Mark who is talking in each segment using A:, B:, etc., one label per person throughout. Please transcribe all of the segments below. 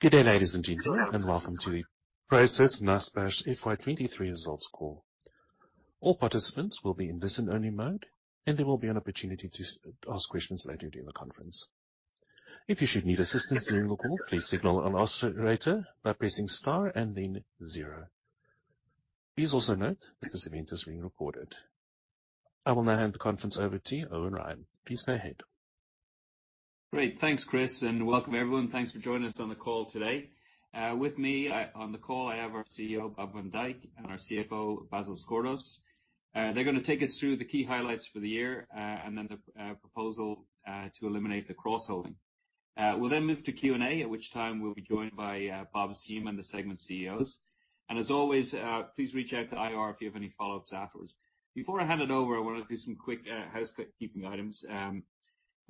A: Good day, ladies and gentlemen. Welcome to the Prosus Naspers FY 2023 results call. All participants will be in listen-only mode, and there will be an opportunity to ask questions later during the conference. Should you need assistance during the call, please signal an operator by pressing star and then zero. Please also note that this event is being recorded. I will now hand the conference over to Eoin Ryan. Please go ahead.
B: Great. Thanks, Chris, and welcome everyone. Thanks for joining us on the call today. With me on the call, I have our Chief Executive Officer, Bob van Dijk, and our Chief Financial Officer, Basil Sgourdos. They're gonna take us through the key highlights for the year, and then the proposal to eliminate the cross-holding. We'll then move to Q&A, at which time we'll be joined by Bob's team and the segment Chief Executive Officer's. As always, please reach out to IR if you have any follow-ups afterwards. Before I hand it over, I want to do some quick housekeeping items.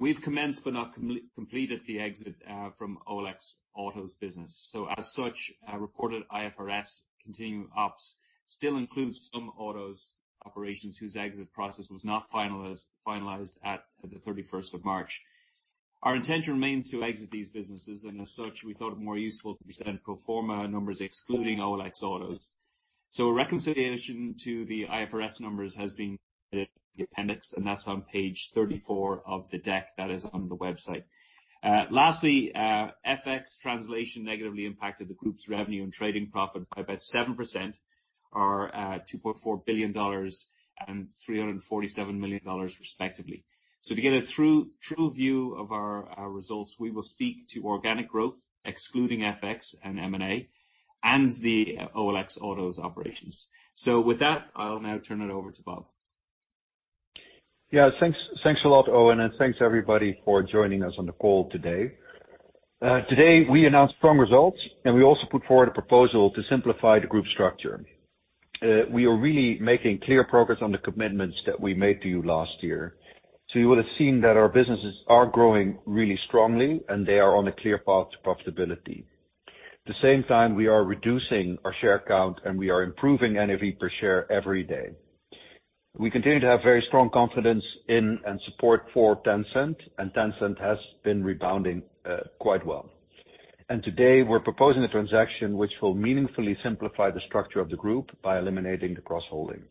B: We've commenced but not completed the exit from OLX Autos business. As such, our reported IFRS continuing ops still includes some autos operations whose exit process was not finalized at the 31st of March. Our intention remains to exit these businesses, as such, we thought it more useful to present pro forma numbers excluding OLX Autos. A reconciliation to the IFRS numbers has been added in the appendix, that's on page 34 of the deck that is on the website. Lastly, FX translation negatively impacted the group's revenue and trading profit by about 7%, or $2.4 billion and $347 million, respectively. To get a true view of our results, we will speak to organic growth, excluding FX and M&A, and the OLX Autos operations. With that, I'll now turn it over to Bob.
C: Yeah, thanks. Thanks a lot, Eoin, thanks, everybody, for joining us on the call today. Today, we announced strong results, we also put forward a proposal to simplify the group structure. We are really making clear progress on the commitments that we made to you last year. You would have seen that our businesses are growing really strongly, they are on a clear path to profitability. At the same time, we are reducing our share count, we are improving NAV per share every day. We continue to have very strong confidence in and support for Tencent has been rebounding quite well. Today, we're proposing a transaction which will meaningfully simplify the structure of the group by eliminating the cross-holding.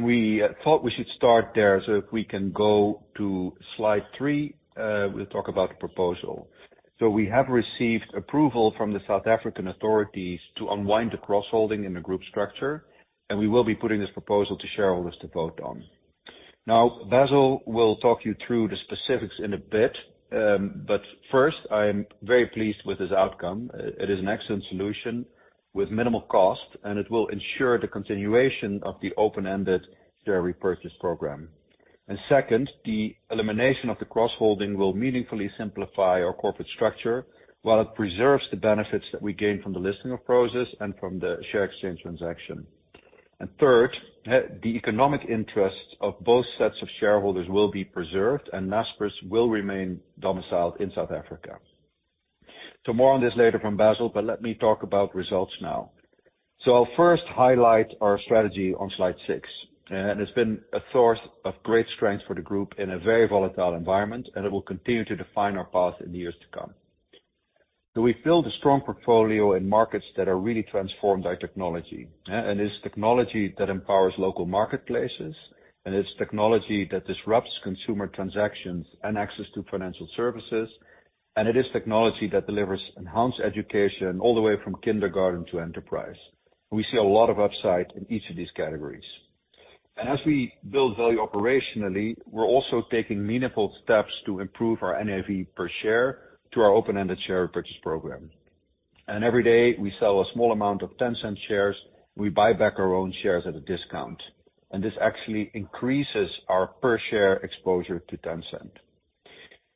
C: We thought we should start there. If we can go to slide three, we'll talk about the proposal. We have received approval from the South African authorities to unwind the cross-holding in the group structure, and we will be putting this proposal to shareholders to vote on. Basil will talk you through the specifics in a bit, but first, I am very pleased with this outcome. It is an excellent solution with minimal cost, and it will ensure the continuation of the open-ended share repurchase program. Second, the elimination of the cross-holding will meaningfully simplify our corporate structure, while it preserves the benefits that we gain from the listing of Prosus and from the share exchange transaction. Third, the economic interests of both sets of shareholders will be preserved, and Naspers will remain domiciled in South Africa. More on this later from Basil, but let me talk about results now. I'll first highlight our strategy on slide six, and it's been a source of great strength for the group in a very volatile environment, and it will continue to define our path in the years to come. We've built a strong portfolio in markets that are really transformed by technology, and it's technology that empowers local marketplaces, and it's technology that disrupts consumer transactions and access to financial services, and it is technology that delivers enhanced education all the way from kindergarten to enterprise. We see a lot of upside in each of these categories. As we build value operationally, we're also taking meaningful steps to improve our NAV per share to our open-ended share repurchase program. Every day, we sell a small amount of Tencent shares, we buy back our own shares at a discount, and this actually increases our per share exposure to Tencent.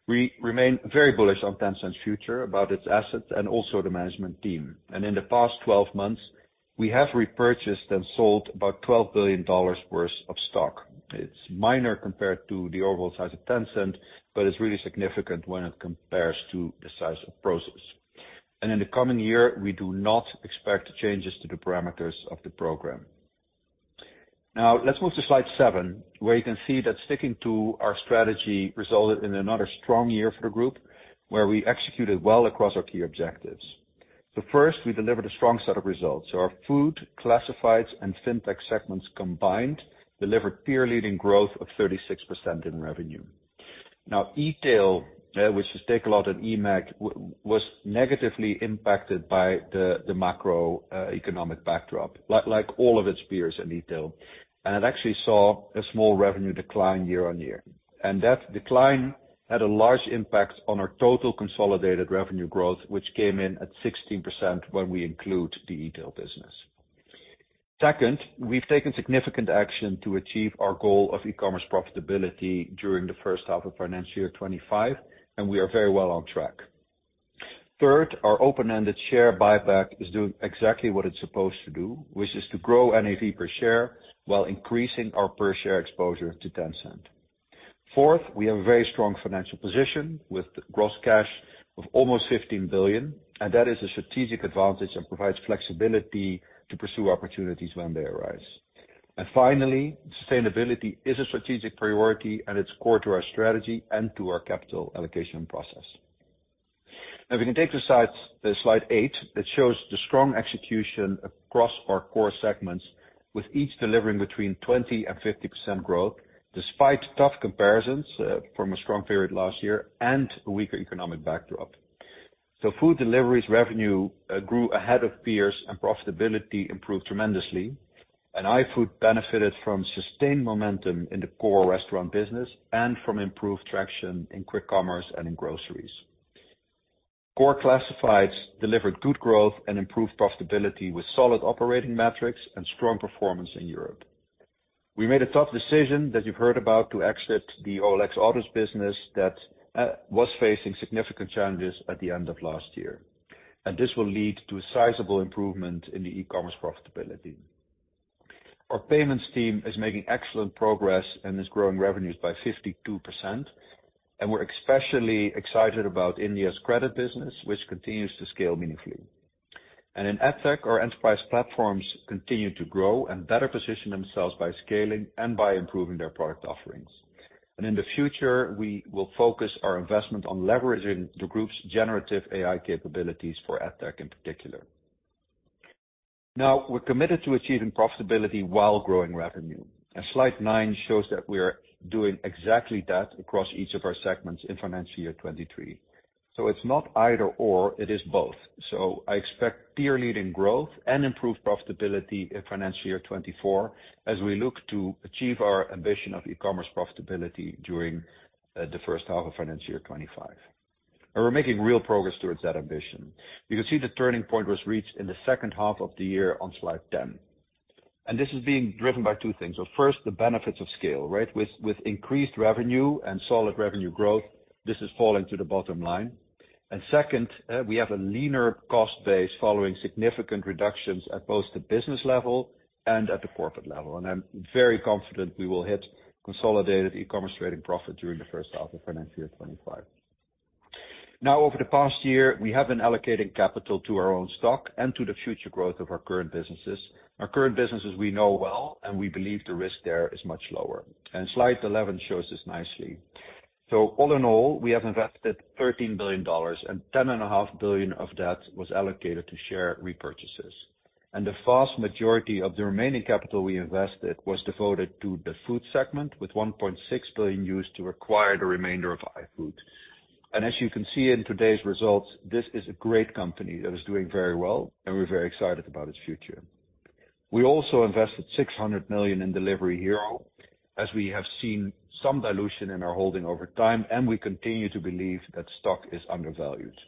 C: We remain very bullish on Tencent's future, about its assets, and also the management team. In the past 12 months, we have repurchased and sold about $12 billion worth of stock. It's minor compared to the overall size of Tencent, but it's really significant when it compares to the size of Prosus. In the coming year, we do not expect changes to the parameters of the program. Let's move to slide seven, where you can see that sticking to our strategy resulted in another strong year for the group, where we executed well across our key objectives. First, we delivered a strong set of results. Our food, classifieds, and fintech segments combined delivered peer-leading growth of 36% in revenue. Etail, which is Takealot and eMAG, was negatively impacted by the macroeconomic backdrop, like all of its peers in Etail, and it actually saw a small revenue decline year-on-year. That decline had a large impact on our total consolidated revenue growth, which came in at 16% when we include the Etail business. Second, we've taken significant action to achieve our goal of e-commerce profitability during the first half of financial year 25, and we are very well on track. Third, our open-ended share buyback is doing exactly what it's supposed to do, which is to grow NAV per share while increasing our per share exposure to Tencent. Fourth, we have a very strong financial position with gross cash of almost $15 billion. That is a strategic advantage and provides flexibility to pursue opportunities when they arise. Finally, sustainability is a strategic priority, and it's core to our strategy and to our capital allocation process. Now, if we can take the slides, Slide eight, it shows the strong execution across our core segments, with each delivering between 20%-50% growth, despite tough comparisons from a strong period last year and a weaker economic backdrop. Food Delivery's revenue grew ahead of peers, and profitability improved tremendously. iFood benefited from sustained momentum in the core restaurant business and from improved traction in quick commerce and in groceries. Core Classifieds delivered good growth and improved profitability, with solid operating metrics and strong performance in Europe. We made a tough decision that you've heard about to exit the OLX Autos business that was facing significant challenges at the end of last year, this will lead to a sizable improvement in the e-commerce profitability. Our payments team is making excellent progress and is growing revenues by 52%, we're especially excited about India's credit business, which continues to scale meaningfully. In AdTech, our enterprise platforms continue to grow and better position themselves by scaling and by improving their product offerings. In the future, we will focus our investment on leveraging the group's generative AI capabilities for AdTech, in particular. Now, we're committed to achieving profitability while growing revenue, slide nine shows that we are doing exactly that across each of our segments in financial year 23. It's not either/or, it is both. I expect peer-leading growth and improved profitability in financial year 2024, as we look to achieve our ambition of e-commerce profitability during the first half of financial year 2025. We're making real progress towards that ambition. You can see the turning point was reached in the second half of the year on slide 10, and this is being driven by two things. First, the benefits of scale, right? With increased revenue and solid revenue growth, this is falling to the bottom line. Second, we have a leaner cost base, following significant reductions at both the business level and at the corporate level. I'm very confident we will hit consolidated e-commerce trading profit during the first half of financial year 2025. Over the past year, we have been allocating capital to our own stock and to the future growth of our current businesses. Our current businesses we know well, and we believe the risk there is much lower, and slide 11 shows this nicely. All in all, we have invested $13 billion, and ten and a half billion dollars of that was allocated to share repurchases. The vast majority of the remaining capital we invested was devoted to the food segment, with $1.6 billion used to acquire the remainder of iFood. As you can see in today's results, this is a great company that is doing very well, and we're very excited about its future. We also invested $600 million in Delivery Hero, as we have seen some dilution in our holding over time, and we continue to believe that stock is undervalued.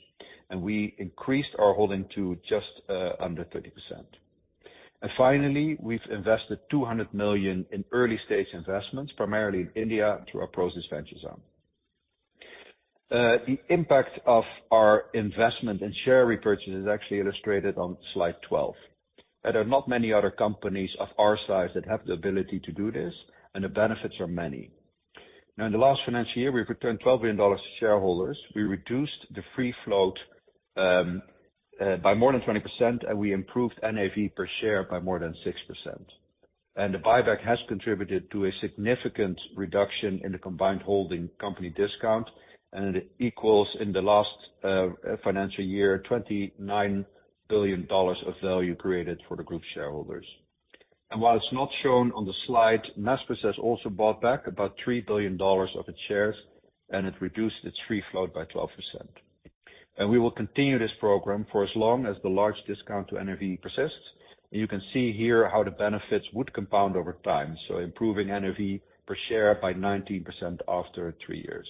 C: We increased our holding to just under 30%. Finally, we've invested $200 million in early-stage investments, primarily in India, through our Prosus Ventures arm. The impact of our investment in share repurchase is actually illustrated on slide 12. There are not many other companies of our size that have the ability to do this, and the benefits are many. Now, in the last financial year, we've returned $12 billion to shareholders. We reduced the free float by more than 20%, and we improved NAV per share by more than 6%. The buyback has contributed to a significant reduction in the combined holding company discount, and it equals, in the last financial year, $29 billion of value created for the group shareholders. While it's not shown on the slide, Naspers has also bought back about $3 billion of its shares, and it reduced its free float by 12%. We will continue this program for as long as the large discount to NAV persists. You can see here how the benefits would compound over time, so improving NAV per share by 19% after three years.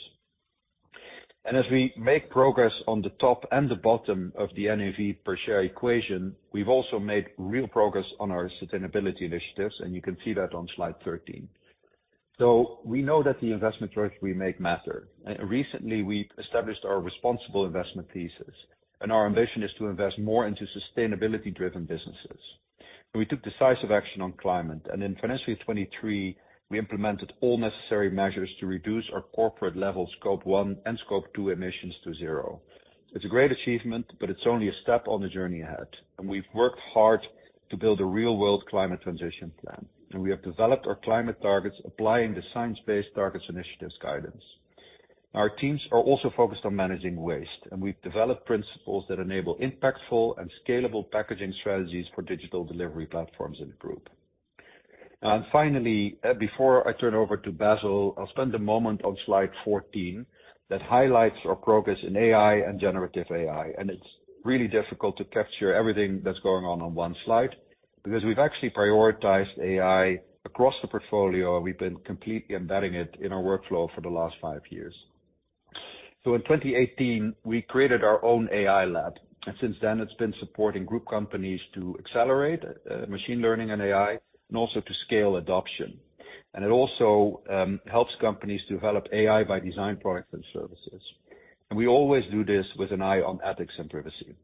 C: As we make progress on the top and the bottom of the NAV per share equation, we've also made real progress on our sustainability initiatives, and you can see that on slide 13. We know that the investment choices we make matter. Recently, we established our responsible investment thesis, and our ambition is to invest more into sustainability-driven businesses. We took decisive action on climate, in financial year 2023, we implemented all necessary measures to reduce our corporate level Scope 1 and Scope 2 emissions to zero. It's a great achievement, but it's only a step on the journey ahead, and we've worked hard to build a real-world climate transition plan. We have developed our climate targets, applying the Science Based Targets initiative guidance. Our teams are also focused on managing waste, and we've developed principles that enable impactful and scalable packaging strategies for digital delivery platforms in the group. Finally, before I turn over to Basil, I'll spend a moment on slide 14 that highlights our progress in AI and generative AI. It's really difficult to capture everything that's going on on one slide, because we've actually prioritized AI across the portfolio, and we've been completely embedding it in our workflow for the last five years. In 2018, we created our own AI lab, and since then, it's been supporting group companies to accelerate machine learning and AI, and also to scale adoption. It also helps companies develop AI-by-design products and services. We always do this with an eye on ethics and privacy.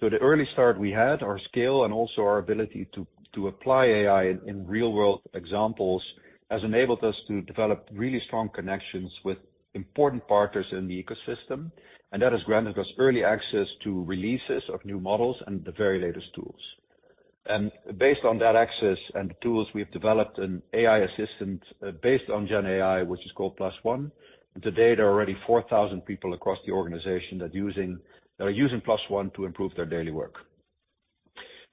C: The early start we had, our scale, and also our ability to apply AI in real-world examples, has enabled us to develop really strong connections with important partners in the ecosystem, and that has granted us early access to releases of new models and the very latest tools. Based on that access and the tools, we have developed an AI assistant, based on GenAI, which is called Plus One. To date, there are already 4,000 people across the organization that are using Plus One to improve their daily work.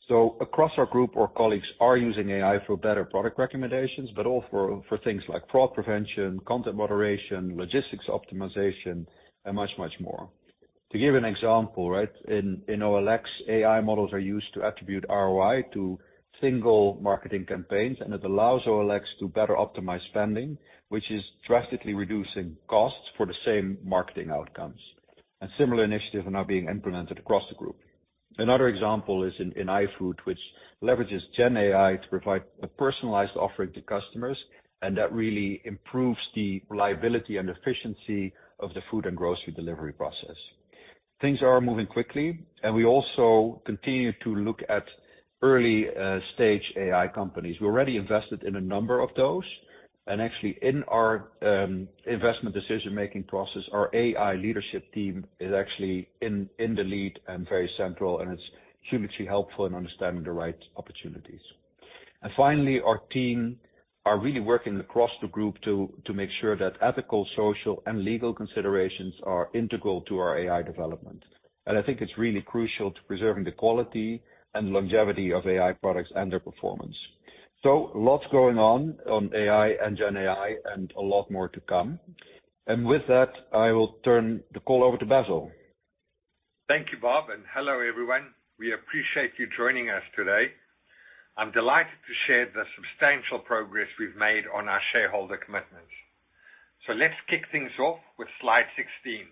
C: Across our group, our colleagues are using AI for better product recommendations, but also for things like fraud prevention, content moderation, logistics optimization, and much, much more. To give an example, in OLX, AI models are used to attribute ROI to single marketing campaigns, and it allows OLX to better optimize spending, which is drastically reducing costs for the same marketing outcomes. Similar initiatives are now being implemented across the group. Another example is in iFood, which leverages GenAI to provide a personalized offering to customers, and that really improves the reliability and efficiency of the food and grocery delivery process. Things are moving quickly, and we also continue to look at early stage AI companies. We already invested in a number of those, and actually, in our investment decision-making process, our AI leadership team is actually in the lead and very central, and it's hugely helpful in understanding the right opportunities. Finally, our team are really working across the group to make sure that ethical, social, and legal considerations are integral to our AI development. I think it's really crucial to preserving the quality and longevity of AI products and their performance. Lots going on on AI and GenAI, and a lot more to come. With that, I will turn the call over to Basil.
D: Thank you, Bob. Hello, everyone. We appreciate you joining us today. I'm delighted to share the substantial progress we've made on our shareholder commitments. Let's kick things off with slide 16.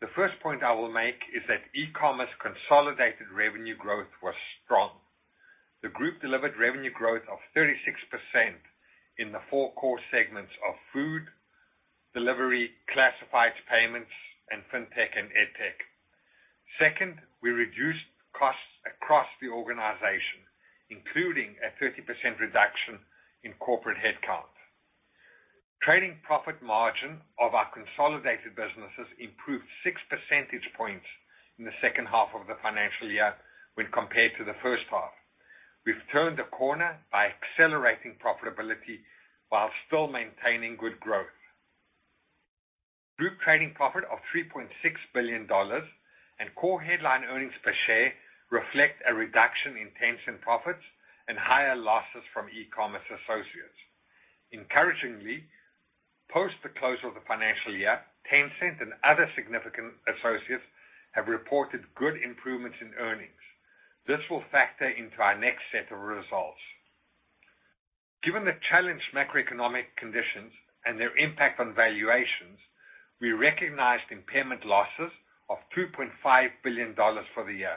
D: The first point I will make is that e-commerce consolidated revenue growth was strong. The group delivered revenue growth of 36% in the four core segments of food, delivery, classified payments, and Fintech and Edtech. Second, we reduced costs across the organization, including a 30% reduction in corporate headcount. Trading profit margin of our consolidated businesses improved 6 percentage points in the second half of the financial year when compared to the first half. We've turned the corner by accelerating profitability while still maintaining good growth. Group trading profit of $3.6 billion and core headline earnings per share reflect a reduction in Tencent profits and higher losses from e-commerce associates. Encouragingly, post the close of the financial year, Tencent and other significant associates have reported good improvements in earnings. This will factor into our next set of results. Given the challenged macroeconomic conditions and their impact on valuations, we recognized impairment losses of $2.5 billion for the year.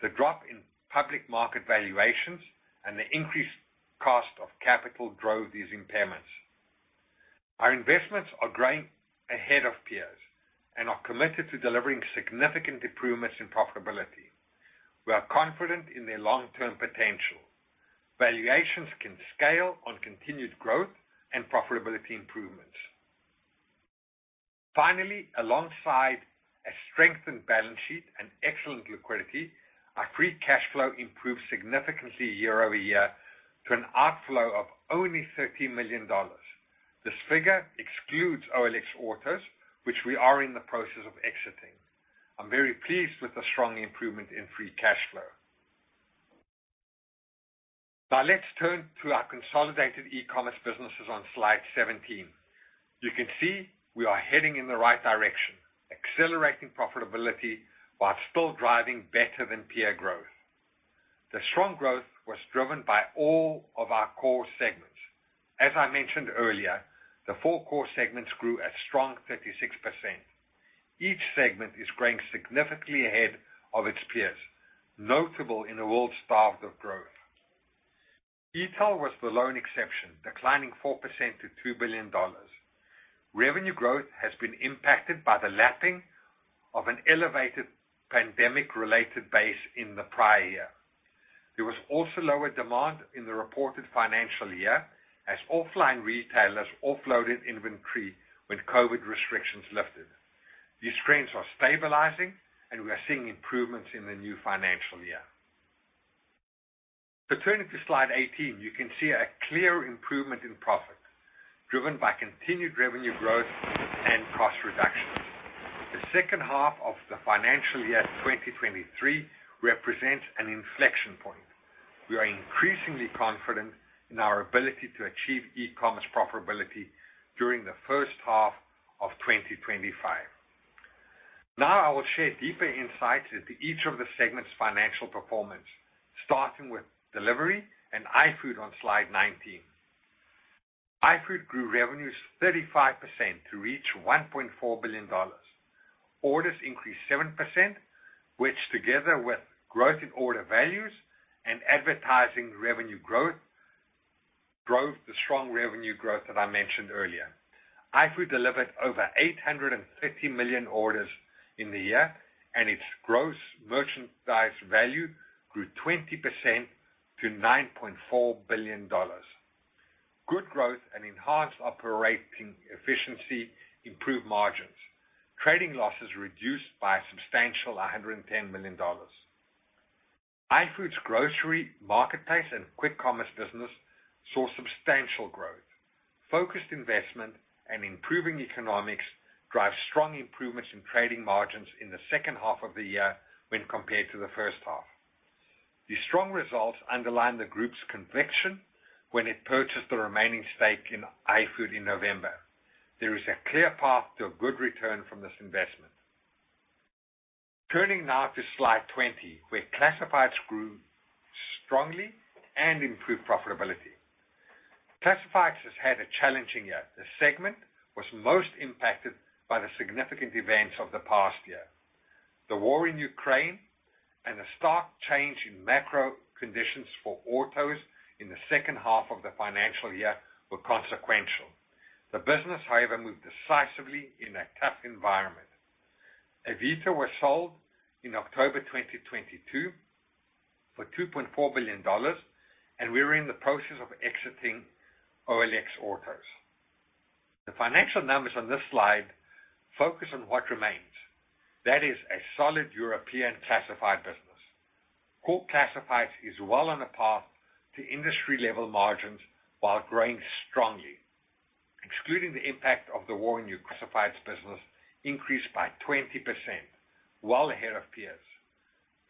D: The drop in public market valuations and the increased cost of capital drove these impairments. Our investments are growing ahead of peers and are committed to delivering significant improvements in profitability. We are confident in their long-term potential. Valuations can scale on continued growth and profitability improvements. Finally, alongside a strengthened balance sheet and excellent liquidity, our free cash flow improved significantly year-over-year to an outflow of only $13 million. This figure excludes OLX Autos, which we are in the process of exiting. I'm very pleased with the strong improvement in free cash flow. Let's turn to our consolidated e-commerce businesses on slide 17. You can see we are heading in the right direction, accelerating profitability while still driving better than peer growth. The strong growth was driven by all of our core segments. As I mentioned earlier, the four core segments grew at strong 36%. Each segment is growing significantly ahead of its peers, notable in a world starved of growth. E-tail was the lone exception, declining 4% to $2 billion. Revenue growth has been impacted by the lapping of an elevated pandemic-related base in the prior year. There was also lower demand in the reported financial year as offline retailers offloaded inventory when COVID restrictions lifted. These trends are stabilizing. We are seeing improvements in the new financial year. Turning to slide 18, you can see a clear improvement in profit, driven by continued revenue growth and cost reductions. The second half of the financial year 2023 represents an inflection point. We are increasingly confident in our ability to achieve e-commerce profitability during the first half of 2025. Now, I will share deeper insights into each of the segments' financial performance, starting with delivery and iFood on slide 19. iFood grew revenues 35% to reach $1.4 billion. Orders increased 7%, which, together with growth in order values and advertising revenue growth, drove the strong revenue growth that I mentioned earlier. iFood delivered over 850 million orders in the year, and its gross merchandise value grew 20% to $9.4 billion. Good growth and enhanced operating efficiency improved margins. Trading losses reduced by a substantial $110 million. iFood's grocery, marketplace, and quick commerce business saw substantial growth. Focused investment and improving economics drive strong improvements in trading margins in the second half of the year when compared to the first half. These strong results underline the group's conviction when it purchased the remaining stake in iFood in November. There is a clear path to a good return from this investment. Turning now to Slide 20, where Classifieds grew strongly and improved profitability. Classifieds has had a challenging year. The segment was most impacted by the significant events of the past year. The war in Ukraine and the stark change in macro conditions for autos in the second half of the financial year were consequential. The business, however, moved decisively in a tough environment. Avito was sold in October 2022 for $2.4 billion. We are in the process of exiting OLX Autos. The financial numbers on this slide focus on what remains. That is a solid European classified business. Core Classifieds is well on a path to industry-level margins while growing strongly. Excluding the impact of the war in Ukraine, Classifieds business increased by 20%, well ahead of peers.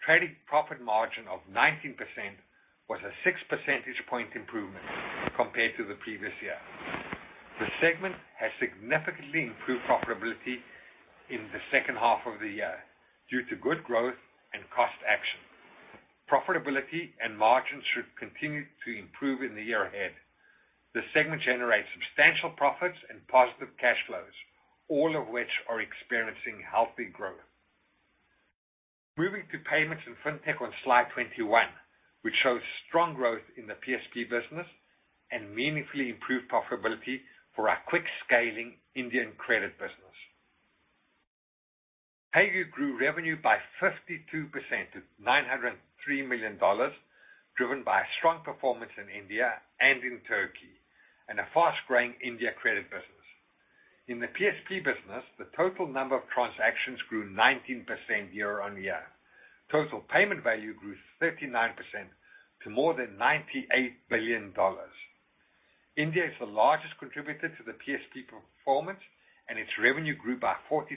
D: Trading profit margin of 19% was a 6 percentage point improvement compared to the previous year. The segment has significantly improved profitability in the second half of the year due to good growth and cost action. Profitability and margins should continue to improve in the year ahead. The segment generates substantial profits and positive cash flows, all of which are experiencing healthy growth. Moving to Payments and Fintech on Slide 21, which shows strong growth in the PSP business and meaningfully improved profitability for our quick-scaling India Credit business. PayU grew revenue by 52% to $903 million, driven by a strong performance in India and in Turkey, and a fast-growing India Credit business. In the PSP business, the total number of transactions grew 19% year-on-year. Total payment value grew 39% to more than $98 billion. India is the largest contributor to the PSP performance, its revenue grew by 42%,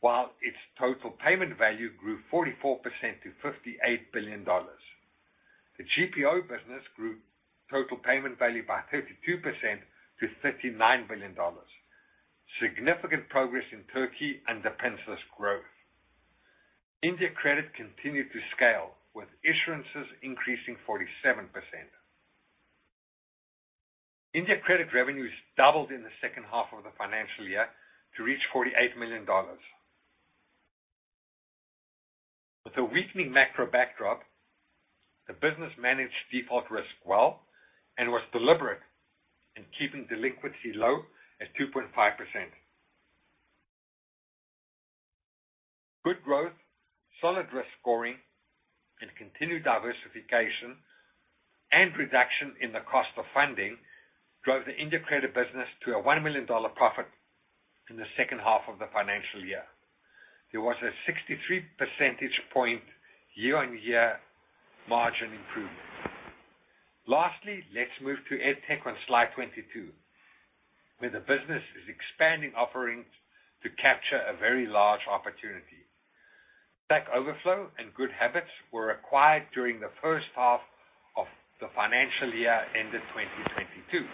D: while its total payment value grew 44% to $58 billion. The GPO business grew total payment value by 32% to $39 billion. Significant progress in Turkey, the price-less growth. India Credit continued to scale, with issuances increasing 47%. India Credit revenue is doubled in the second half of the financial year to reach $48 million. With a weakening macro backdrop, the business managed default risk well and was deliberate in keeping delinquency low at 2.5%. Good growth, solid risk scoring, and continued diversification and reduction in the cost of funding drove the integrated business to a $1 million profit in the second half of the financial year. There was a 63 percentage point year-on-year margin improvement. Lastly, let's move to EdTech on Slide 22, where the business is expanding offerings to capture a very large opportunity. Stack Overflow and GoodHabitz were acquired during the first half of the financial year, ended 2022.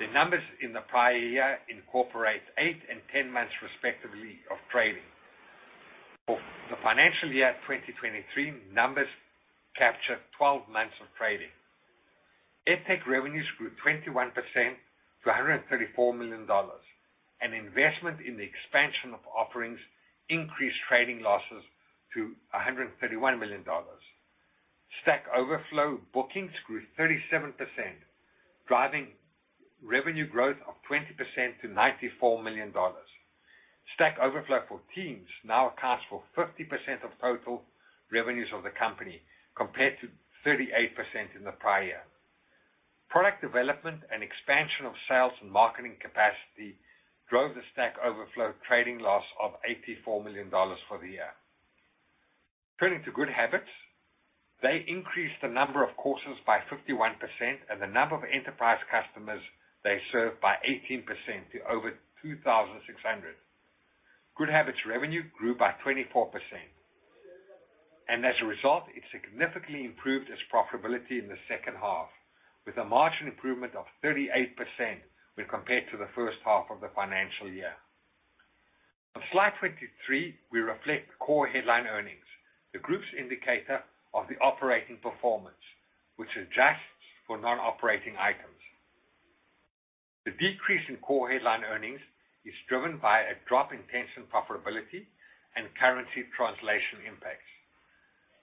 D: The numbers in the prior year incorporate eight and 10 months, respectively, of trading. For the financial year 2023, numbers capture 12 months of trading. Edtech revenues grew 21% to $134 million. An investment in the expansion of offerings increased trading losses to $131 million. Stack Overflow bookings grew 37%, driving revenue growth of 20% to $94 million. Stack Overflow for Teams now accounts for 50% of total revenues of the company, compared to 38% in the prior year. Product development and expansion of sales and marketing capacity drove the Stack Overflow trading loss of $84 million for the year. Turning to GoodHabitz, they increased the number of courses by 51% and the number of enterprise customers they served by 18% to over 2,600. GoodHabitz revenue grew by 24%, and as a result, it significantly improved its profitability in the second half, with a margin improvement of 38% when compared to the first half of the financial year. On Slide 23, we reflect core headline earnings, the group's indicator of the operating performance, which adjusts for non-operating items. The decrease in core headline earnings is driven by a drop in Tencent profitability and currency translation impacts.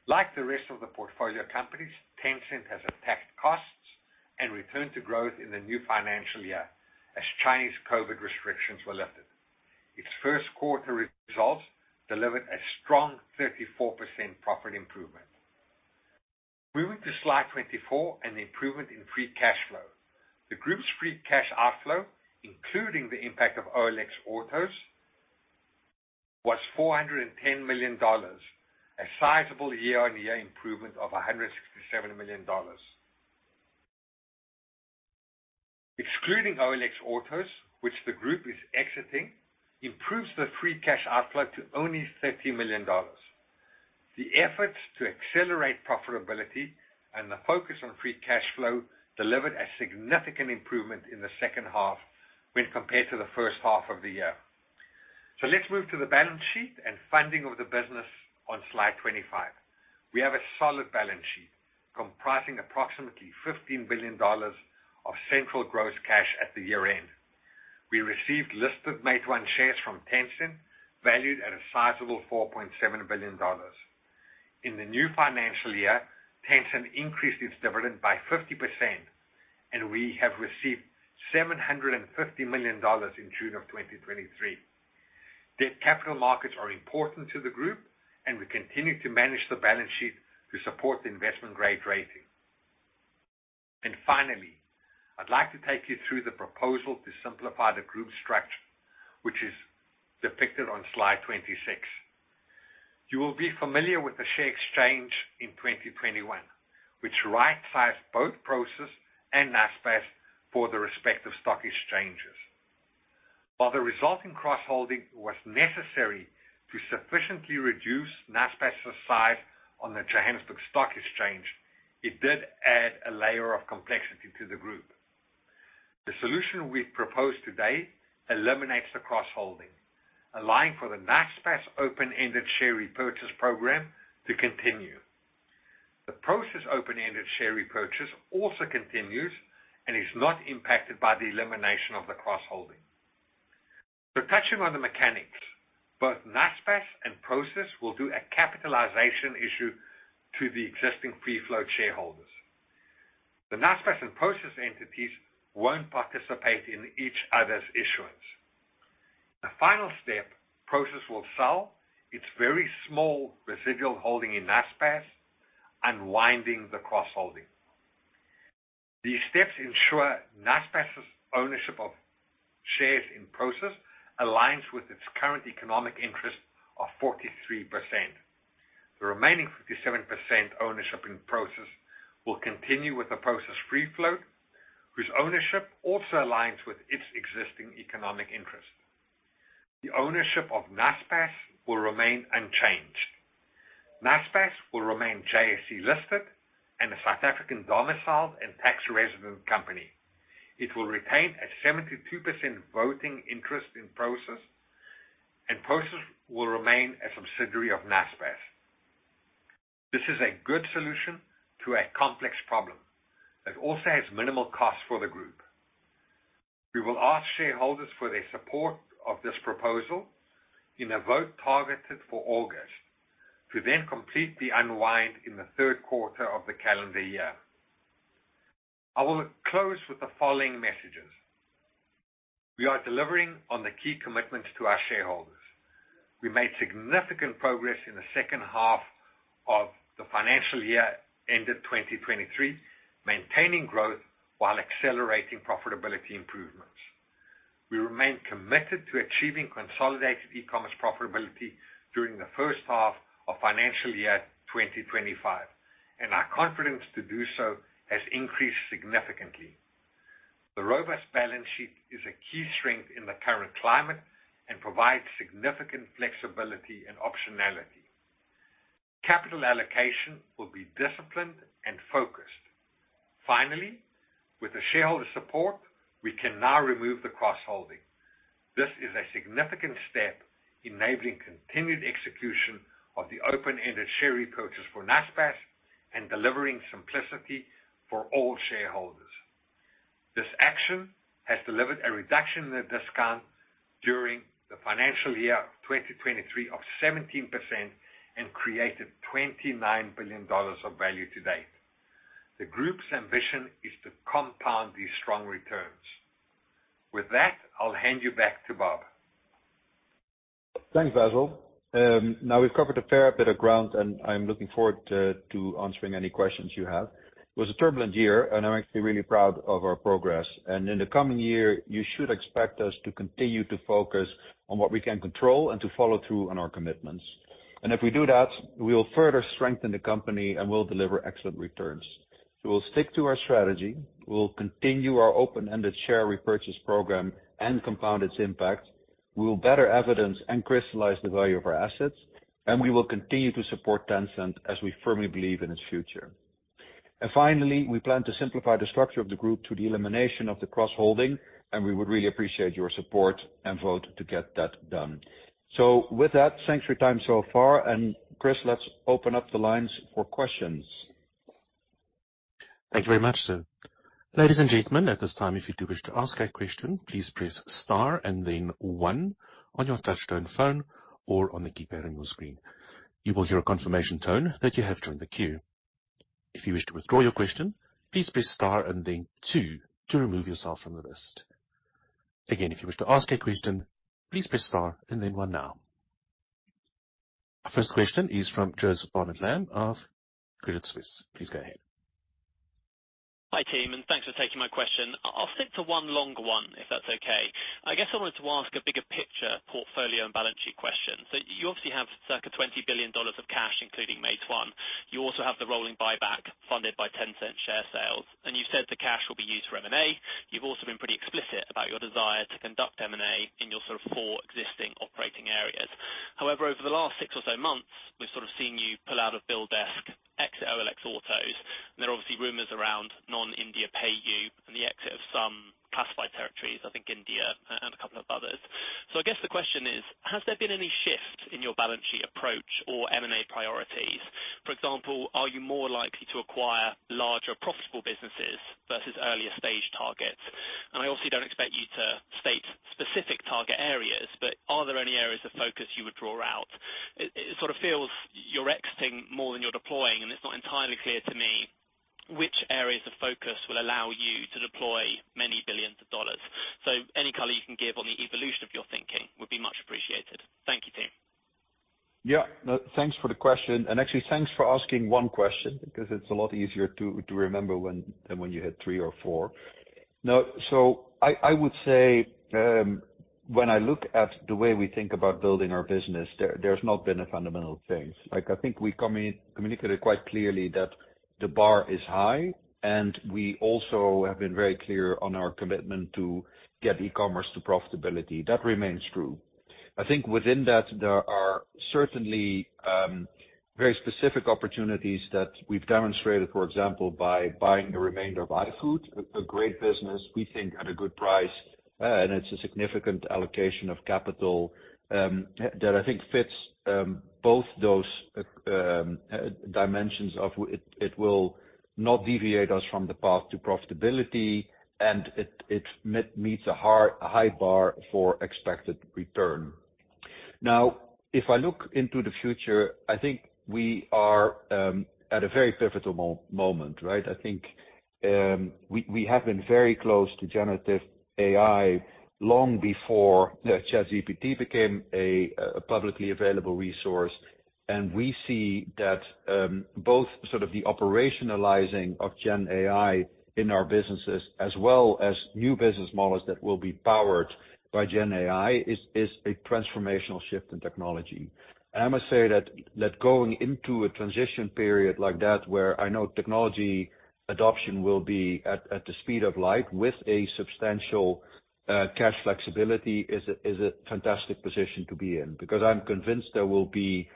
D: Like the rest of the portfolio companies, Tencent has attacked costs and returned to growth in the new financial year as Chinese COVID restrictions were lifted....first quarter results delivered a strong 34% profit improvement. Moving to slide 24, an improvement in free cash flow. The group's free cash outflow, including the impact of OLX Autos, was $410 million, a sizable year-on-year improvement of $167 million. Excluding OLX Autos, which the group is exiting, improves the free cash outflow to only $30 million. The efforts to accelerate profitability and the focus on free cash flow delivered a significant improvement in the second half when compared to the first half of the year. Let's move to the balance sheet and funding of the business on slide 25. We have a solid balance sheet, comprising approximately $15 billion of central gross cash at the year-end. We received listed Meituan shares from Tencent, valued at a sizable $4.7 billion. In the new financial year, Tencent increased its dividend by 50%, and we have received $750 million in June of 2023. The capital markets are important to the group, and we continue to manage the balance sheet to support the investment grade rating. Finally, I'd like to take you through the proposal to simplify the group structure, which is depicted on slide 26. You will be familiar with the share exchange in 2021, which right-sized both Prosus and Naspers for the respective stock exchanges. While the resulting cross-holding was necessary to sufficiently reduce Naspers' size on the Johannesburg Stock Exchange, it did add a layer of complexity to the group. The solution we've proposed today eliminates the cross-holding, allowing for the Naspers open-ended share repurchase program to continue. The Prosus open-ended share repurchase also continues and is not impacted by the elimination of the cross-holding. Touching on the mechanics, both Naspers and Prosus will do a capitalization issue to the existing free-float shareholders. The Naspers and Prosus entities won't participate in each other's issuance. The final step, Prosus will sell its very small residual holding in Naspers, unwinding the cross-holding. These steps ensure Naspers' ownership of shares in Prosus aligns with its current economic interest of 43%. The remaining 57% ownership in Prosus will continue with the Prosus free float, whose ownership also aligns with its existing economic interest. The ownership of Naspers will remain unchanged. Naspers will remain JSE listed and a South African domiciled and tax resident company. It will retain a 72% voting interest in Prosus, and Prosus will remain a subsidiary of Naspers. This is a good solution to a complex problem that also has minimal costs for the group. We will ask shareholders for their support of this proposal in a vote targeted for August, to then complete the unwind in the third quarter of the calendar year. I will close with the following messages: We are delivering on the key commitments to our shareholders. We made significant progress in the second half of the financial year, end of 2023, maintaining growth while accelerating profitability improvements. We remain committed to achieving consolidated e-commerce profitability during the first half of financial year 2025. Our confidence to do so has increased significantly. The robust balance sheet is a key strength in the current climate and provides significant flexibility and optionality. Capital allocation will be disciplined and focused. Finally, with the shareholder support, we can now remove the cross-holding. This is a significant step enabling continued execution of the open-ended share repurchase for Naspers and delivering simplicity for all shareholders. This action has delivered a reduction in the discount during the financial year of 2023 of 17% and created $29 billion of value to date. The group's ambition is to compound these strong returns. With that, I'll hand you back to Bob.
C: Thanks, Basil. Now, we've covered a fair bit of ground, I'm looking forward to answering any questions you have. It was a turbulent year, I'm actually really proud of our progress. In the coming year, you should expect us to continue to focus on what we can control and to follow through on our commitments. If we do that, we will further strengthen the company and will deliver excellent returns. We'll stick to our strategy, we'll continue our open-ended share repurchase program and compound its impact. We will better evidence and crystallize the value of our assets, we will continue to support Tencent as we firmly believe in its future. Finally, we plan to simplify the structure of the group to the elimination of the cross-holding. We would really appreciate your support and vote to get that done. With that, thanks for your time so far. Chris, let's open up the lines for questions.
A: Thank you very much, sir. Ladies and gentlemen, at this time, if you do wish to ask a question, please press star one on your touchtone phone or on the keypad on your screen. You will hear a confirmation tone that you have joined the queue. If you wish to withdraw your question, please press star two to remove yourself from the list. Again, if you wish to ask a question, please press star one now. First question is from Joseph Barnet-Lamb of Credit Suisse. Please go ahead.
E: Hi, team, thanks for taking my question. I'll stick to one long one, if that's okay. I guess I wanted to ask a bigger picture portfolio and balance sheet question. You obviously have circa $20 billion of cash, including Meituan. You also have the rolling buyback funded by Tencent share sales, and you've said the cash will be used for M&A. You've also been pretty explicit about your desire to conduct M&A in your sort of four existing operating areas. However, over the last six or so months, we've sort of seen you pull out of BillDesk, exit OLX Autos, and there are obviously rumors around non-India PayU and the exit of some classified territories, I think India and a couple of others. I guess the question is: has there been any shift in your balance sheet approach or M&A priorities? For example, are you more likely to acquire larger, profitable businesses versus earlier stage targets? I obviously don't expect you to state specific target areas, but are there any areas of focus you would draw out? It sort of feels you're exiting more than you're deploying, and it's not entirely clear to me which areas of focus will allow you to deploy many billions of dollars. Any color you can give on the evolution of your thinking would be much appreciated. Thank you, team.
C: Yeah. No, thanks for the question, and actually, thanks for asking one question, because it's a lot easier to remember than when you had three or four. I would say, when I look at the way we think about building our business, there's not been a fundamental change. Like, I think we communicated quite clearly that the bar is high, and we also have been very clear on our commitment to get e-commerce to profitability. That remains true. I think within that, there are certainly very specific opportunities that we've demonstrated, for example, by buying the remainder of iFood, a great business, we think, at a good price, and it's a significant allocation of capital that I think fits both those dimensions of it will not deviate us from the path to profitability, and it meets a hard, high bar for expected return. Now, if I look into the future, I think we are at a very pivotal moment, right? I think we have been very close to generative AI long before the ChatGPT became a publicly available resource, and we see that both sort of the operationalizing of GenAI in our businesses, as well as new business models that will be powered by GenAI, is a transformational shift in technology. I must say that going into a transition period like that, where I know technology adoption will be at the speed of light with a substantial cash flexibility, is a fantastic position to be in, because I'm convinced there will be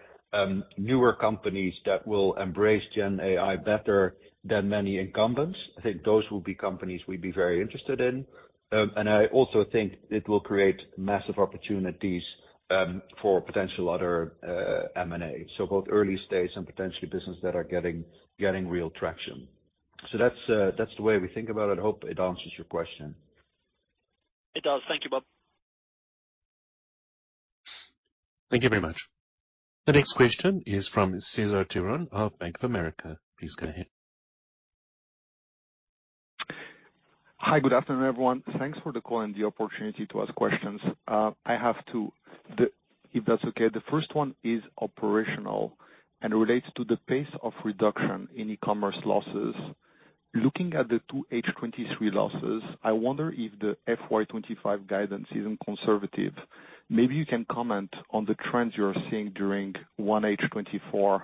C: newer companies that will embrace GenAI better than many incumbents. I think those will be companies we'd be very interested in. I also think it will create massive opportunities for potential other M&A. Both early stage and potentially businesses that are getting real traction. That's the way we think about it. I hope it answers your question.
E: It does. Thank you, Bob.
A: Thank you very much. The next question is from Cesar Tiron of Bank of America. Please go ahead.
F: Hi, good afternoon, everyone. Thanks for the call and the opportunity to ask questions. I have two, if that's okay. The first one is operational and relates to the pace of reduction in e-commerce losses. Looking at the 2H 2023 losses, I wonder if the FY 2025 guidance is even conservative. Maybe you can comment on the trends you are seeing during 1H 2024.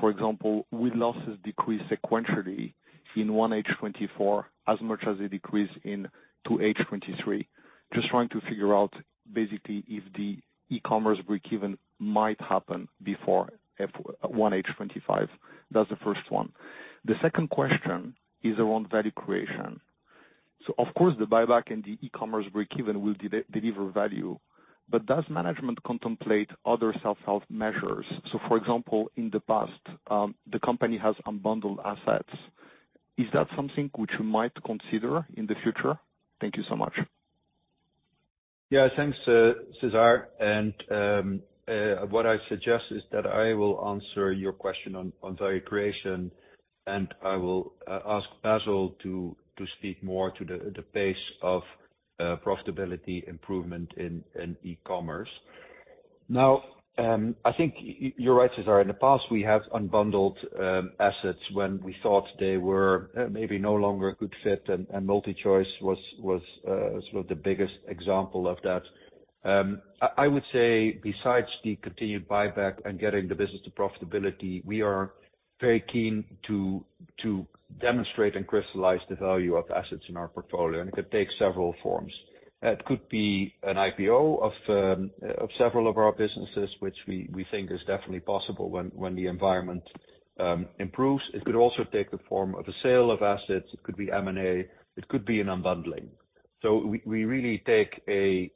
F: For example, will losses decrease sequentially in 1H 2024 as much as they decrease in 2H 2023? Just trying to figure out, basically, if the e-commerce break-even might happen before 1H 2025. That's the first one. The second question is around value creation. Of course, the buyback and the e-commerce break-even will de-deliver value, but does management contemplate other self-help measures? For example, in the past, the company has unbundled assets. Is that something which you might consider in the future? Thank you so much.
C: Thanks, Cesar, and what I suggest is that I will answer your question on value creation, and I will ask Basil to speak more to the pace of profitability improvement in e-commerce. I think you're right, Cesar, in the past, we have unbundled assets when we thought they were maybe no longer a good fit, and MultiChoice was sort of the biggest example of that. I would say besides the continued buyback and getting the business to profitability, we are very keen to demonstrate and crystallize the value of assets in our portfolio, and it could take several forms. It could be an IPO of several of our businesses, which we think is definitely possible when the environment improves. It could also take the form of a sale of assets. It could be M&A. It could be an unbundling. We really take a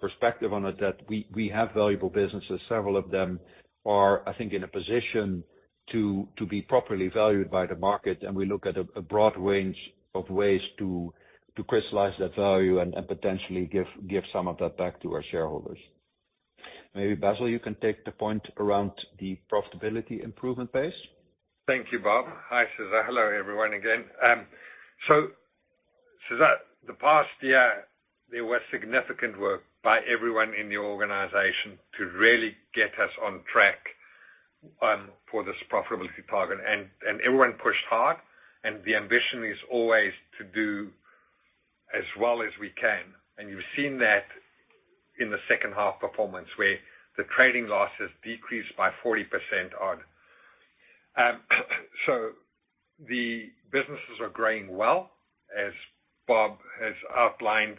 C: perspective on it that we have valuable businesses. Several of them are, I think, in a position to be properly valued by the market, and we look at a broad range of ways to crystallize that value and potentially give some of that back to our shareholders. Maybe, Basil, you can take the point around the profitability improvement pace.
D: Thank you, Bob. Hi, Cesar. Hello, everyone, again. Cesar, the past year, there was significant work by everyone in the organization to really get us on track for this profitability target. Everyone pushed hard, and the ambition is always to do as well as we can. You've seen that in the second half performance, where the trading losses decreased by 40% odd. The businesses are growing well, as Bob has outlined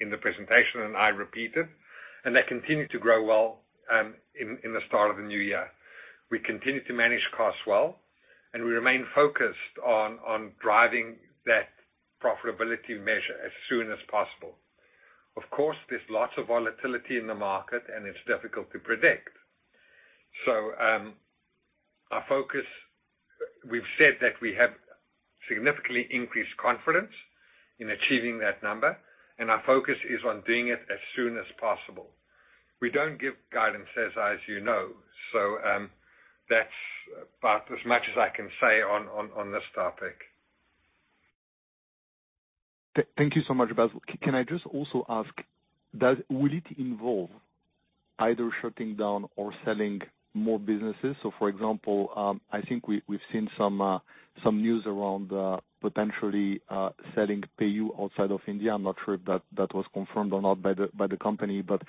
D: in the presentation. I repeat it, they continue to grow well in the start of the new year. We continue to manage costs well, we remain focused on driving that profitability measure as soon as possible. Of course, there's lots of volatility in the market, it's difficult to predict. We've said that we have significantly increased confidence in achieving that number, and our focus is on doing it as soon as possible. We don't give guidance, Cesar, as you know, so that's about as much as I can say on this topic.
F: Thank you so much, Basil. Can I just also ask, will it involve either shutting down or selling more businesses? For example, I think we've seen some news around potentially selling PayU outside of India. I'm not sure if that was confirmed or not by the company, but,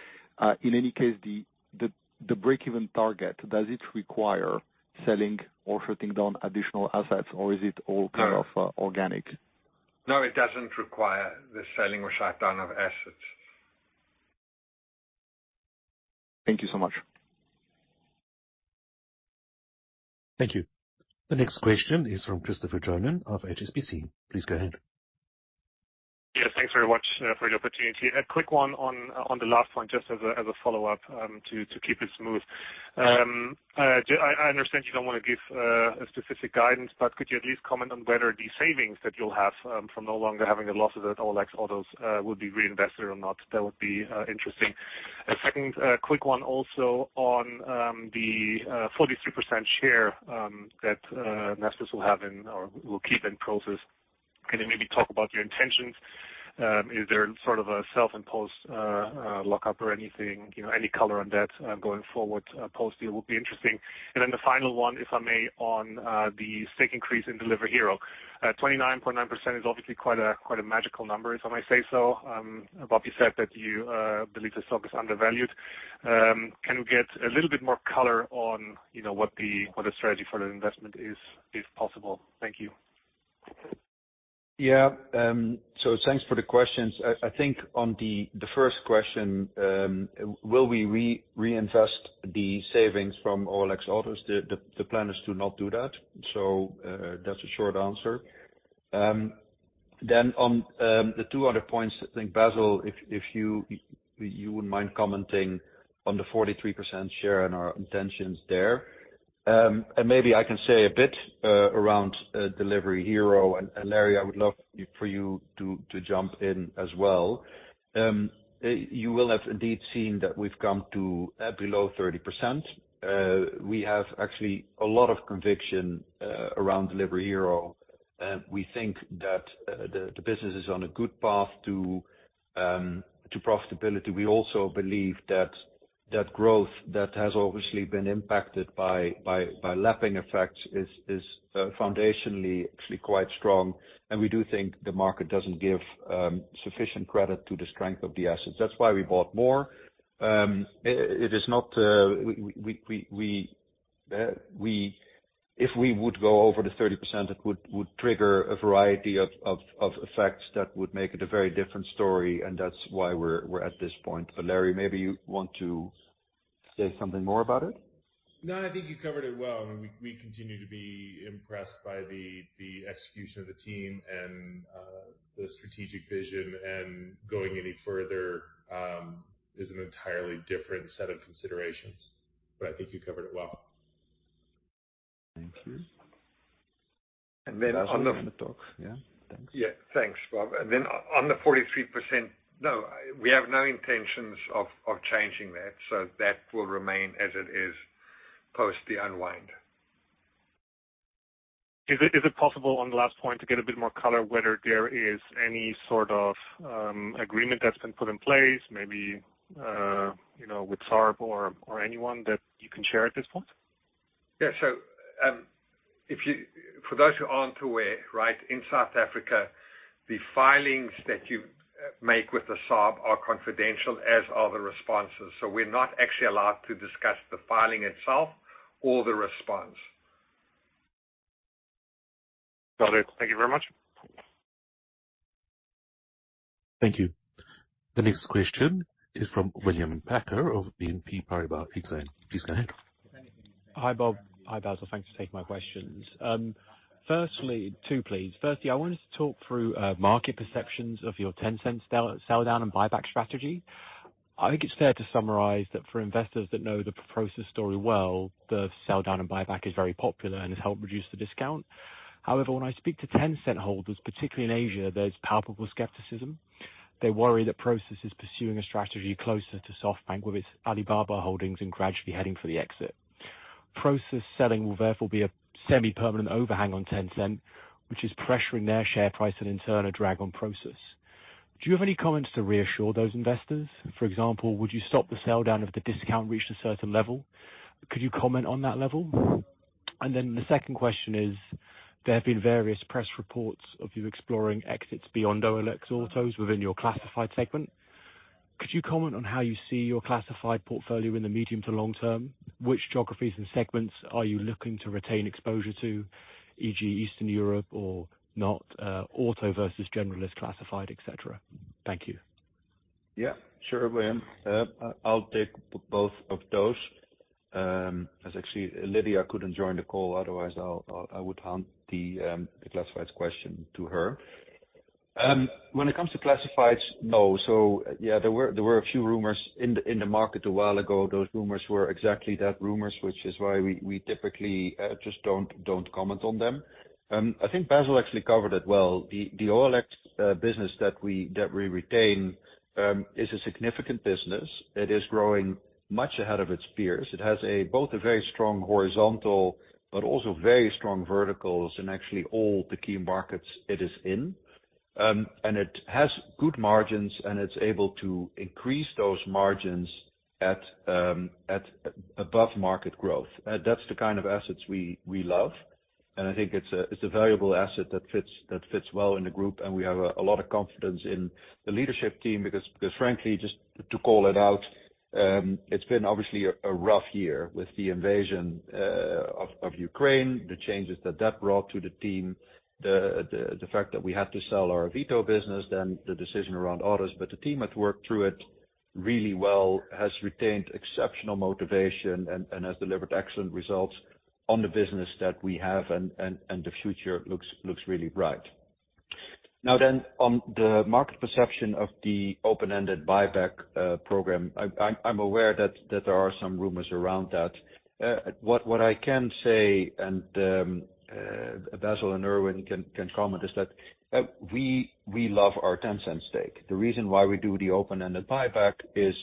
F: in any case, the break-even target, does it require selling or shutting down additional assets, or is it all.
D: No.
F: Kind of, organic?
D: No, it doesn't require the selling or shutdown of assets.
F: Thank you so much.
A: Thank you. The next question is from Christopher Johnen of HSBC. Please go ahead.
G: Yes, thanks very much for the opportunity. A quick one on the last point, just as a follow-up, to keep it smooth. Do I understand you don't wanna give a specific guidance, but could you at least comment on whether the savings that you'll have from no longer having the losses at OLX Autos will be reinvested or not? That would be interesting. A second quick one also on the 43% share that Naspers will have in or will keep in Prosus. Can you maybe talk about your intentions? Is there sort of a self-imposed lockup or anything, you know, any color on that going forward, post deal would be interesting. The final one, if I may, on the stake increase in Delivery Hero. 29.9% is obviously quite a magical number, if I may say so. Bobby said that you believe the stock is undervalued. Can we get a little bit more color on, you know, what the strategy for the investment is, if possible? Thank you.
C: Yeah, thanks for the questions. I think on the first question, will we re- reinvest the savings from OLX Autos, the plan is to not do that. That's a short answer. On the two other points, I think, Basil, if you wouldn't mind commenting on the 43% share and our intentions there. Maybe I can say a bit around Delivery Hero, and Larry, I would love you, for you to jump in as well. You will have indeed seen that we've come to below 30%. We have actually a lot of conviction around Delivery Hero, and we think that the business is on a good path to profitability. We also believe that growth that has obviously been impacted by lapping effects is foundationally actually quite strong, and we do think the market doesn't give sufficient credit to the strength of the assets. That's why we bought more. It is not we. If we would go over the 30%, it would trigger a variety of effects that would make it a very different story, and that's why we're at this point. Larry, maybe you want to say something more about it?
H: I think you covered it well. We continue to be impressed by the execution of the team and the strategic vision, and going any further is an entirely different set of considerations. But I think you covered it well.
C: Thank you.
D: And then on the-
C: wanna talk? Yeah. Thanks.
D: Yeah. Thanks, Bob. On the 43%, no, we have no intentions of changing that, so that will remain as it is, post the unwind.
G: Is it possible, on the last point, to get a bit more color, whether there is any sort of agreement that's been put in place, maybe, you know, with SARB or anyone that you can share at this point?
D: For those who aren't aware, right, in South Africa, the filings that you make with the SARB are confidential, as are the responses. We're not actually allowed to discuss the filing itself or the response.
G: Got it. Thank you very much.
A: Thank you. The next question is from William Packer of BNP Paribas Exane. Please go ahead.
I: Hi, Bob. Hi, Basil. Thanks for taking my questions. Firstly, two, please. Firstly, I wanted to talk through market perceptions of your Tencent sell down and buyback strategy. I think it's fair to summarize that for investors that know the Prosus story well, the sell down and buyback is very popular and has helped reduce the discount. When I speak to Tencent holders, particularly in Asia, there's palpable skepticism. They worry that Prosus is pursuing a strategy closer to SoftBank, with its Alibaba holdings and gradually heading for the exit. Prosus selling will therefore be a semi-permanent overhang on Tencent, which is pressuring their share price and in turn, a drag on Prosus. Do you have any comments to reassure those investors? For example, would you stop the sell-down if the discount reached a certain level? Could you comment on that level? The second question is, there have been various press reports of you exploring exits beyond OLX Autos within your classified segment. Could you comment on how you see your classified portfolio in the medium to long term? Which geographies and segments are you looking to retain exposure to, e.g., Eastern Europe or not, auto versus generalist classified, etc.? Thank you.
C: Yeah, sure, William. I'll take both of those. As actually, Lydia couldn't join the call, otherwise, I'll hand the classifieds question to her. When it comes to classifieds, no. Yeah, there were a few rumors in the market a while ago. Those rumors were exactly that, rumors, which is why we typically just don't comment on them. I think Basil actually covered it well. The OLX business that we retain is a significant business. It is growing much ahead of its peers. It has a both a very strong horizontal, but also very strong verticals in actually all the key markets it is in. It has good margins, and it's able to increase those margins at above market growth. That's the kind of assets we love, and I think it's a valuable asset that fits well in the group, and we have a lot of confidence in the leadership team, because frankly, just to call it out, it's been obviously a rough year with the invasion of Ukraine, the changes that brought to the team, the fact that we had to sell our Avito business, then the decision around autos. The team has worked through it really well, has retained exceptional motivation and has delivered excellent results on the business that we have, and the future looks really bright. On the market perception of the open-ended buyback program, I'm aware that there are some rumors around that. What I can say and Basil and Ervin can comment, is that we love our Tencent stake. The reason why we do the open-ended buyback is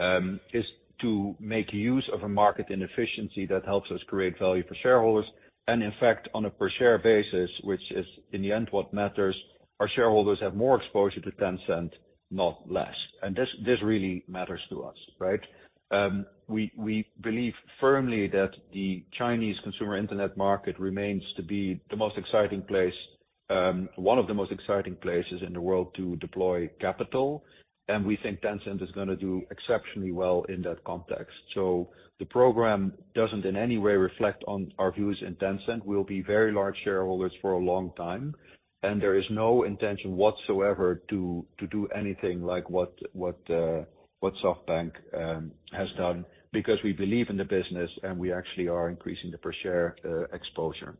C: to make use of a market inefficiency that helps us create value for shareholders. In fact, on a per share basis, which is in the end, what matters, our shareholders have more exposure to Tencent, not less. This really matters to us, right? We believe firmly that the Chinese consumer internet market remains to be the most exciting place, one of the most exciting places in the world to deploy capital, and we think Tencent is gonna do exceptionally well in that context. The program doesn't in any way reflect on our views in Tencent. We'll be very large shareholders for a long time, there is no intention whatsoever to do anything like what SoftBank has done, because we believe in the business, we actually are increasing the per share exposure.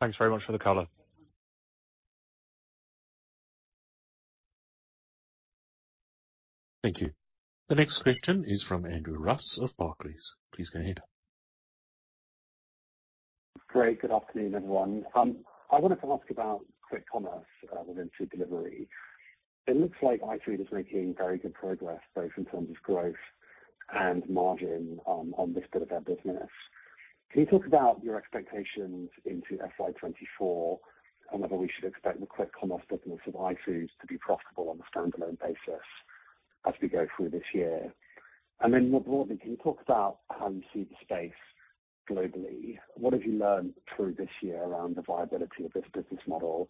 I: Thanks very much for the color.
A: Thank you. The next question is from Andrew Ross of Barclays. Please go ahead.
J: Great. Good afternoon, everyone. I wanted to ask about quick commerce, within food delivery. It looks like iFood is making very good progress, both in terms of growth and margin, on this bit of their business. Can you talk about your expectations into FY 2024, and whether we should expect the quick commerce business of iFood to be profitable on a standalone basis as we go through this year? More broadly, can you talk about how you see the space globally? What have you learned through this year around the viability of this business model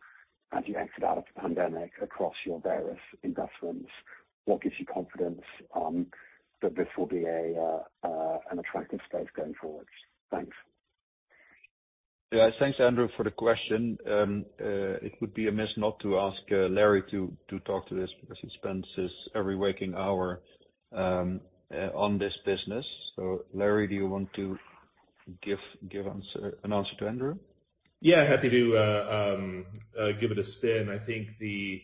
J: as you exit out of the pandemic across your various investments? What gives you confidence, that this will be a an attractive space going forward? Thanks.
C: Thanks, Andrew, for the question. It would be a miss not to ask Larry to talk to this, because he spends his every waking hour on this business. Larry, do you want to give an answer to Andrew?
H: Yeah, happy to give it a spin. I think We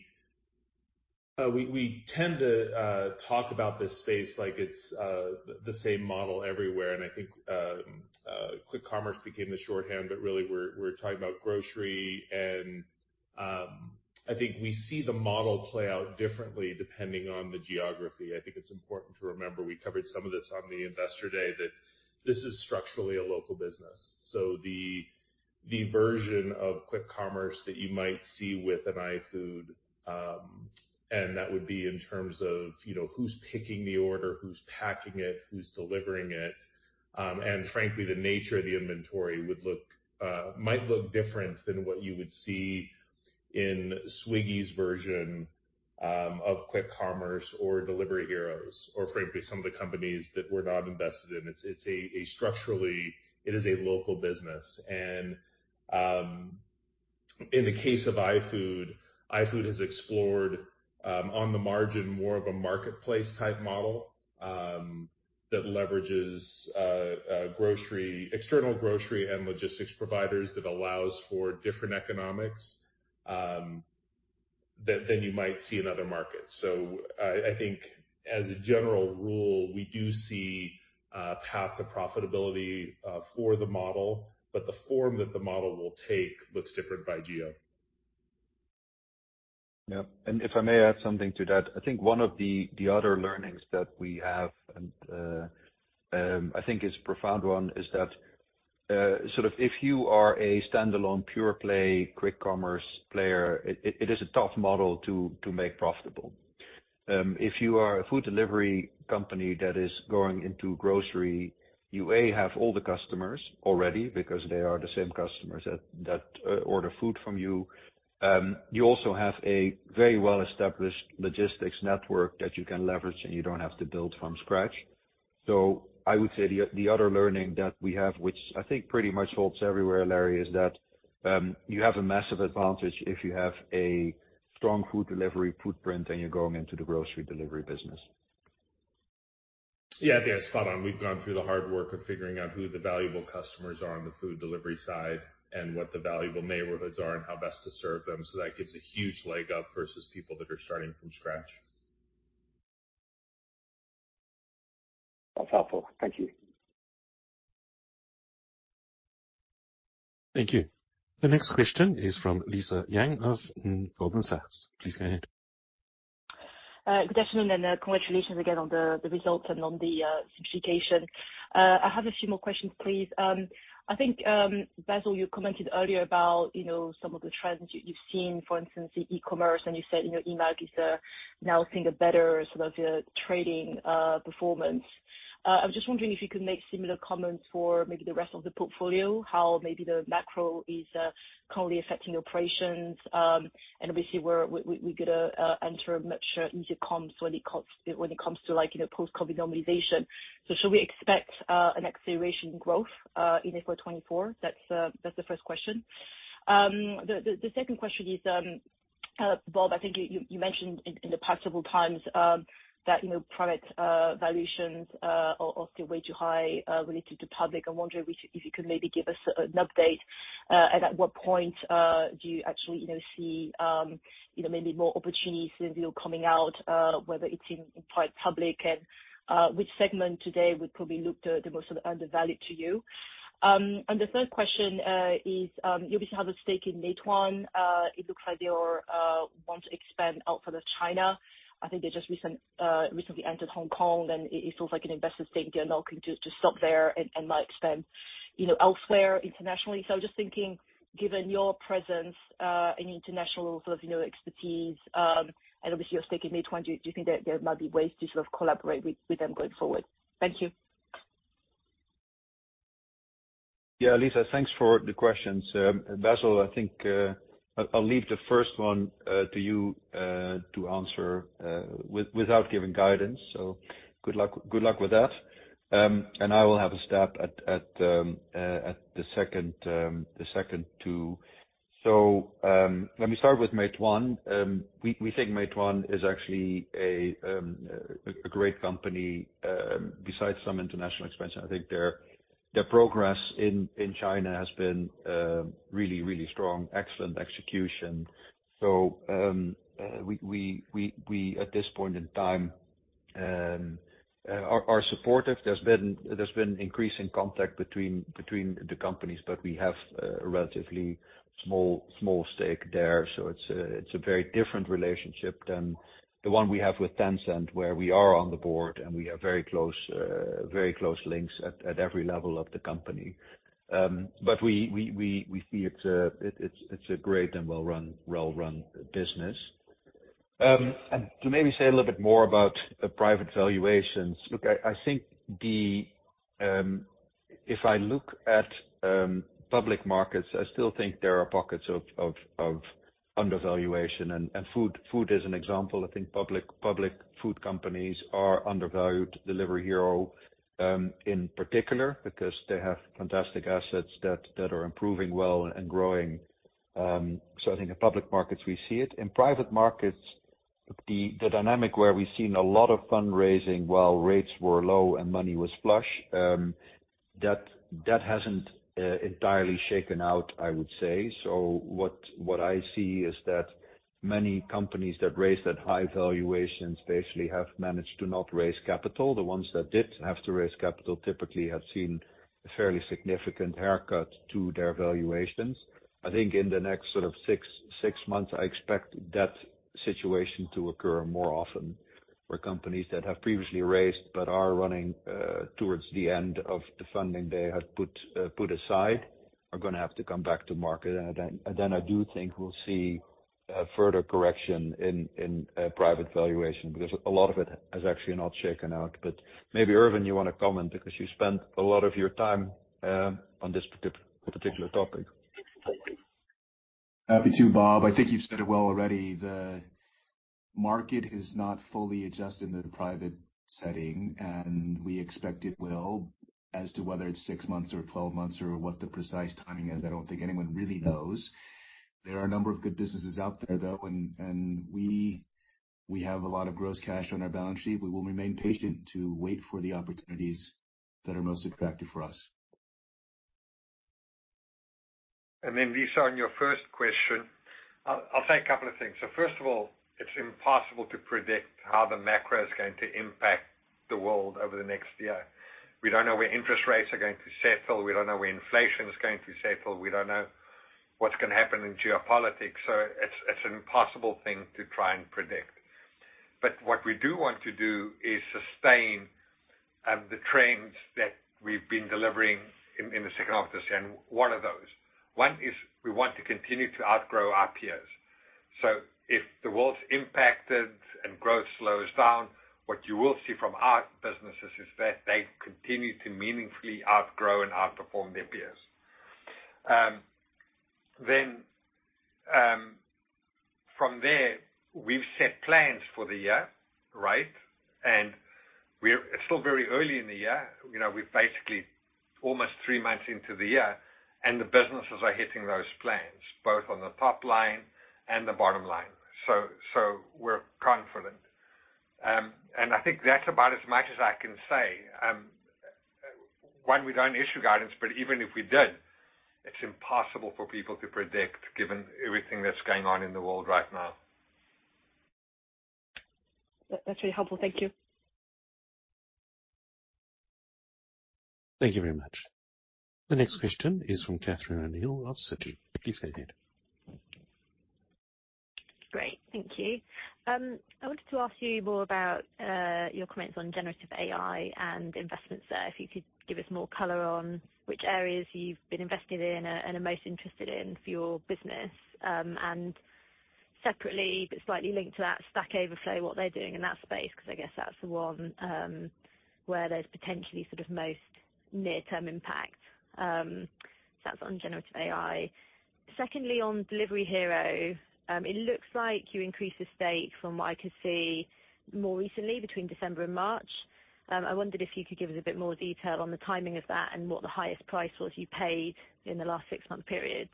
H: tend to talk about this space like it's the same model everywhere, and I think quick commerce became the shorthand, but really, we're talking about grocery. I think we see the model play out differently depending on the geography. I think it's important to remember, we covered some of this on the Investor Day, that this is structurally a local business. The version of quick commerce that you might see with an iFood, and that would be in terms of, you know, who's picking the order, who's packing it, who's delivering it, and frankly, the nature of the inventory would look, might look different than what you would see in Swiggy's version of quick commerce or Delivery Hero, or frankly, some of the companies that we're not invested in. It's a structurally, it is a local business, and in the case of iFood has explored on the margin, more of a marketplace-type model that leverages grocery, external grocery and logistics providers that allows for different economics. Than you might see in other markets. I think as a general rule, we do see a path to profitability for the model, but the form that the model will take looks different by geo.
C: If I may add something to that, I think one of the other learnings that we have, and I think it's a profound one, is that sort of if you are a standalone, pure play, quick commerce player, it is a tough model to make profitable. If you are a food delivery company that is going into grocery, you, A, have all the customers already because they are the same customers that order food from you. You also have a very well-established logistics network that you can leverage, and you don't have to build from scratch. I would say the other learning that we have, which I think pretty much holds everywhere, Larry, is that you have a massive advantage if you have a strong food delivery footprint and you're going into the grocery delivery business.
H: Yeah, spot on. We've gone through the hard work of figuring out who the valuable customers are on the food delivery side and what the valuable neighborhoods are and how best to serve them. That gives a huge leg up versus people that are starting from scratch.
J: That's helpful. Thank you.
A: Thank you. The next question is from Lisa Yang of Goldman Sachs. Please go ahead.
K: Good afternoon, and congratulations again on the results and on the simplification. I have a few more questions, please. I think Basil, you commented earlier about, you know, some of the trends you've seen, for instance, in e-commerce, and you said in your eMAG is now seeing a better sort of trading performance. I was just wondering if you could make similar comments for maybe the rest of the portfolio, how maybe the macro is currently affecting operations. Obviously, where we get a enter a much easier comps when it comes to like, you know, post-COVID normalization. Should we expect an acceleration growth in April 2024? That's the first question. The second question is, Bob, I think you mentioned in the past several times that, you know, private valuations are still way too high related to public. I wonder if you could maybe give us an update and at what point do you actually, you know, see, you know, maybe more opportunities since you're coming out, whether it's in private, public and which segment today would probably look the most undervalued to you? The third question is, you obviously have a stake in Meituan. It looks like they are want to expand out of China. I think they just recently entered Hong Kong, and it seems like an investor stake there, not just stop there and might expand, you know, elsewhere, internationally. Just thinking, given your presence in international, sort of, you know, expertise, and obviously your stake in Meituan, do you think there might be ways to sort of collaborate with them going forward? Thank you.
C: Yeah, Lisa, thanks for the questions. Basil, I think, I'll leave the first one to you to answer without giving guidance. Good luck with that. I will have a stab at the second two. Let me start with Meituan. We think Meituan is actually a great company, besides some international expansion. I think their progress in China has been really strong. Excellent execution. We, at this point in time, are supportive. There's been increasing contact between the companies, but we have a relatively small stake there. It's a very different relationship than the one we have with Tencent, where we are on the board, and we have very close links at every level of the company. But we feel it's a great and well-run business. And to maybe say a little bit more about the private valuations. Look, I think the If I look at public markets, I still think there are pockets of undervaluation, and food is an example. I think public food companies are undervalued. Delivery Hero in particular, because they have fantastic assets that are improving well and growing. I think the public markets, we see it. In private markets, the dynamic where we've seen a lot of fundraising while rates were low and money was flush, that hasn't entirely shaken out, I would say. What I see is that many companies that raised at high valuations basically have managed to not raise capital. The ones that did have to raise capital typically have seen a fairly significant haircut to their valuations. I think in the next sort of 6 months, I expect that situation to occur more often, where companies that have previously raised but are running towards the end of the funding they had put aside, are gonna have to come back to market. I do think we'll see further correction in private valuation, because a lot of it has actually not shaken out. Maybe, Ervin, you want to comment because you spent a lot of your time on this particular topic.
L: Happy to, Bob. I think you've said it well already. The market has not fully adjusted in the private setting. We expect it will. As to whether it's six months or 12 months or what the precise timing is, I don't think anyone really knows. There are a number of good businesses out there, though. We have a lot of gross cash on our balance sheet. We will remain patient to wait for the opportunities that are most attractive for us.
C: Lisa, on your first question, I'll say a couple of things. First of all, it's impossible to predict how the macro is going to impact the world over the next year. We don't know where interest rates are going to settle. We don't know where inflation is going to settle. We don't know what's going to happen in geopolitics, so it's an impossible thing to try and predict. What we do want to do is sustain the trends that we've been delivering in the second half of this year, and one of those. One is we want to continue to outgrow our peers. If the world's impacted and growth slows down, what you will see from our businesses is that they continue to meaningfully outgrow and outperform their peers. Then, from there, we've set plans for the year, right? It's still very early in the year. You know, we're basically almost three months into the year, and the businesses are hitting those plans, both on the top line and the bottom line. We're confident. I think that's about as much as I can say. One, we don't issue guidance, but even if we did, it's impossible for people to predict, given everything that's going on in the world right now.
K: That's really helpful. Thank you.
A: Thank you very much. The next question is from Catherine O'Neill of Citi. Please go ahead.
M: Great, thank you. I wanted to ask you more about your comments on generative AI and investments there. If you could give us more color on which areas you've been investing in and are most interested in for your business. Separately, but slightly linked to that, Stack Overflow, what they're doing in that space, because I guess that's the one where there's potentially most near-term impact. That's on generative AI. Secondly, on Delivery Hero, it looks like you increased the stake from what I could see more recently between December and March. I wondered if you could give us a bit more detail on the timing of that and what the highest price was you paid in the last six-month period.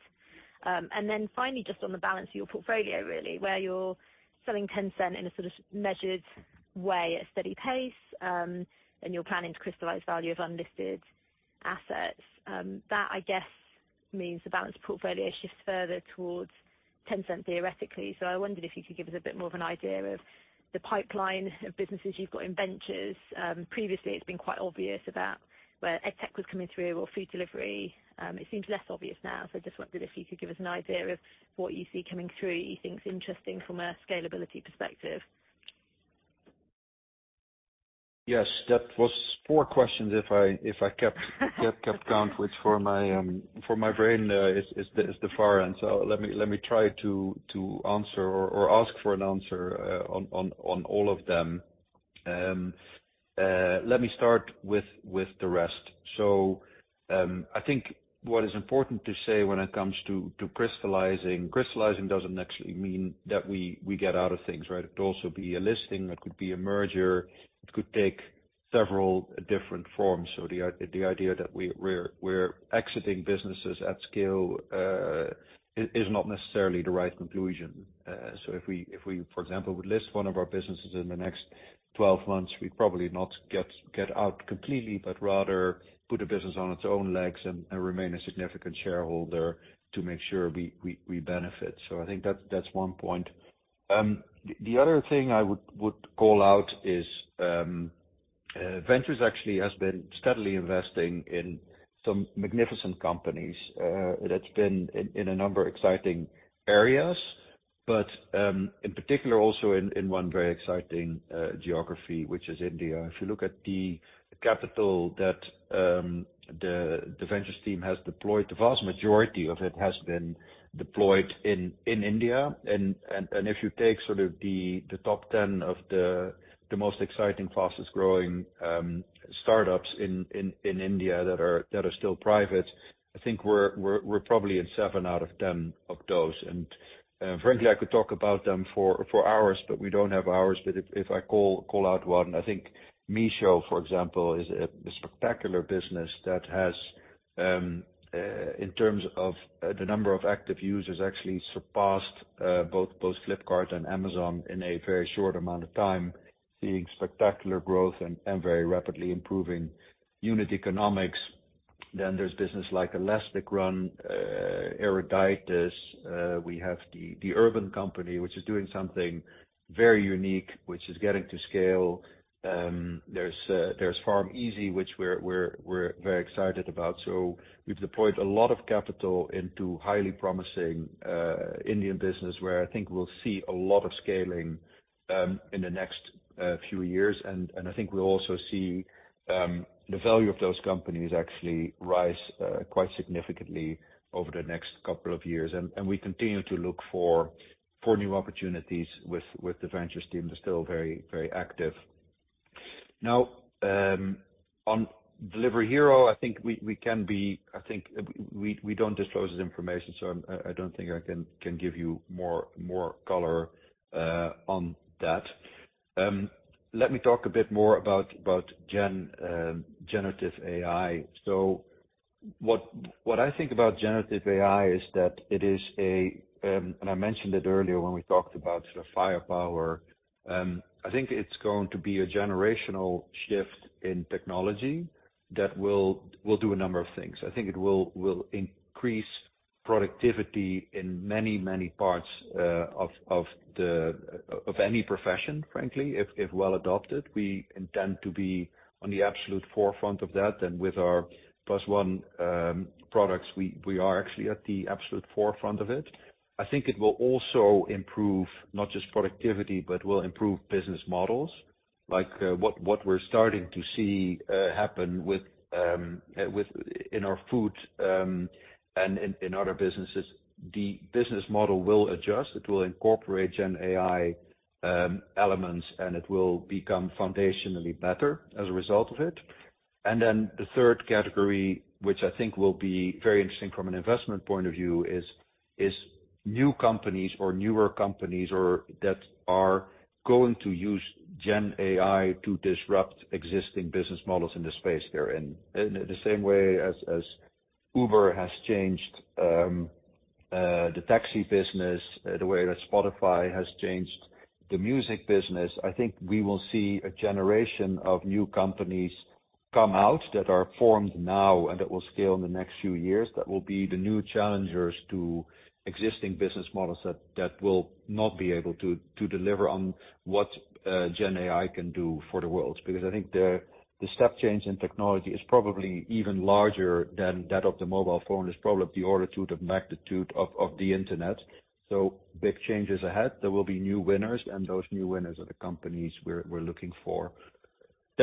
M: Finally, just on the balance of your portfolio, really, where you're selling Tencent in a sort of measured way, at a steady pace, and you're planning to crystallize value of unlisted assets. That, I guess, means the balance of portfolio shifts further towards Tencent, theoretically. I wondered if you could give us a bit more of an idea of the pipeline of businesses you've got in ventures. Previously, it's been quite obvious about where EdTech was coming through or food delivery. It seems less obvious now, so I just wondered if you could give us an idea of what you see coming through, you think is interesting from a scalability perspective.
C: Yes, that was four questions if I kept count, which for my brain is the far end. Let me try to answer or ask for an answer on all of them. Let me start with the rest. I think what is important to say when it comes to crystallizing. Crystallizing doesn't actually mean that we get out of things, right? It could also be a listing, it could be a merger, it could take several different forms. The idea that we're exiting businesses at scale is not necessarily the right conclusion. If we, for example, would list one of our businesses in the next 12 months, we'd probably not get out completely, but rather put a business on its own legs and remain a significant shareholder to make sure we benefit. I think that's one point. The other thing I would call out is Ventures actually has been steadily investing in some magnificent companies. That's been in a number of exciting areas, but in particular, also in one very exciting geography, which is India. If you look at the capital that the ventures team has deployed, the vast majority of it has been deployed in India. If you take sort of the top 10 of the most exciting, fastest growing startups in India that are still private, I think we're probably in seven out of 10 of those. Frankly, I could talk about them for hours, but we don't have hours. If I call out one, I think Meesho, for example, is a spectacular business that has in terms of the number of active users, actually surpassed both Flipkart and Amazon in a very short amount of time, seeing spectacular growth and very rapidly improving unit economics. There's business like ElasticRun, Eruditus, we have the Urban Company, which is doing something very unique, which is getting to scale. There's PharmEasy, which we're very excited about. We've deployed a lot of capital into highly promising Indian business, where I think we'll see a lot of scaling in the next few years. I think we'll also see the value of those companies actually rise quite significantly over the next couple of years. We continue to look for new opportunities with the Ventures team. They're still very active. On Delivery Hero, I think we don't disclose this information, I don't think I can give you more color on that. Let me talk a bit more about generative AI. What I think about generative AI is that it is a, and I mentioned it earlier when we talked about the firepower. I think it's going to be a generational shift in technology that will do a number of things. I think it will increase productivity in many parts of any profession, frankly, if well adopted. We intend to be on the absolute forefront of that. With our Plus One products, we are actually at the absolute forefront of it. I think it will also improve not just productivity, but will improve business models, like what we're starting to see happen with iFood and other businesses. The business model will adjust, it will incorporate GenAI elements, and it will become foundationally better as a result of it. Then the third category, which I think will be very interesting from an investment point of view, is new companies or newer companies or that are going to use GenAI to disrupt existing business models in the space they're in. In the same way as Uber has changed the taxi business, the way that Spotify has changed the music business, I think we will see a generation of new companies come out that are formed now and that will scale in the next few years. That will be the new challengers to existing business models that will not be able to deliver on what GenAI can do for the world. I think the step change in technology is probably even larger than that of the mobile phone. It's probably the order of magnitude of the internet, so big changes ahead. There will be new winners, and those new winners are the companies we're looking for.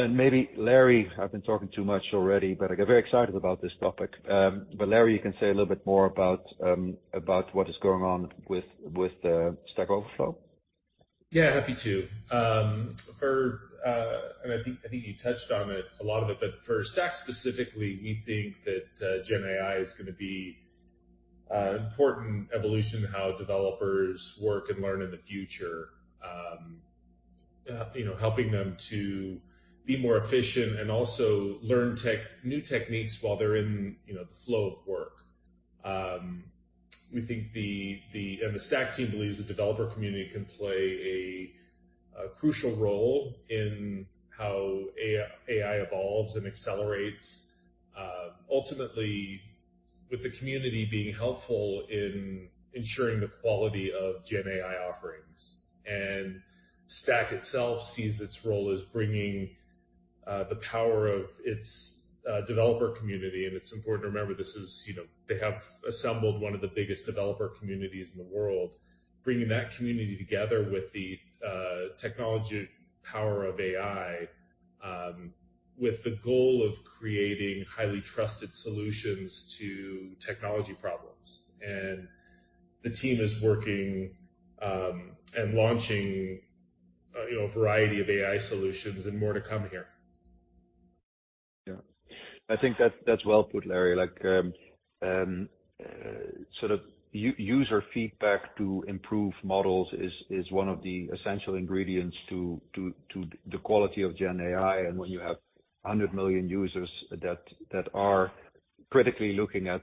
C: Maybe, Larry, I've been talking too much already, but I get very excited about this topic. Larry, you can say a little bit more about what is going on with Stack Overflow.
H: Yeah, happy to. For, and I think, I think you touched on it, a lot of it, but for Stack specifically, we think that GenAI is going to be important evolution in how developers work and learn in the future. Helping them to be more efficient and also learn new techniques while they're in, you know, the flow of work. We think the, and the Stack team believes the developer community can play a crucial role in how AI evolves and accelerates, ultimately with the community being helpful in ensuring the quality of GenAI offerings. And Stack itself sees its role as bringing the power of its developer community. It's important to remember, this is, you know, they have assembled one of the biggest developer communities in the world, bringing that community together with the technology power of AI, with the goal of creating highly trusted solutions to technology problems. The team is working and launching, you know, a variety of AI solutions and more to come here.
C: Yeah. I think that's well put, Larry. Like, sort of user feedback to improve models is one of the essential ingredients to the quality of Gen AI. When you have 100 million users that are critically looking at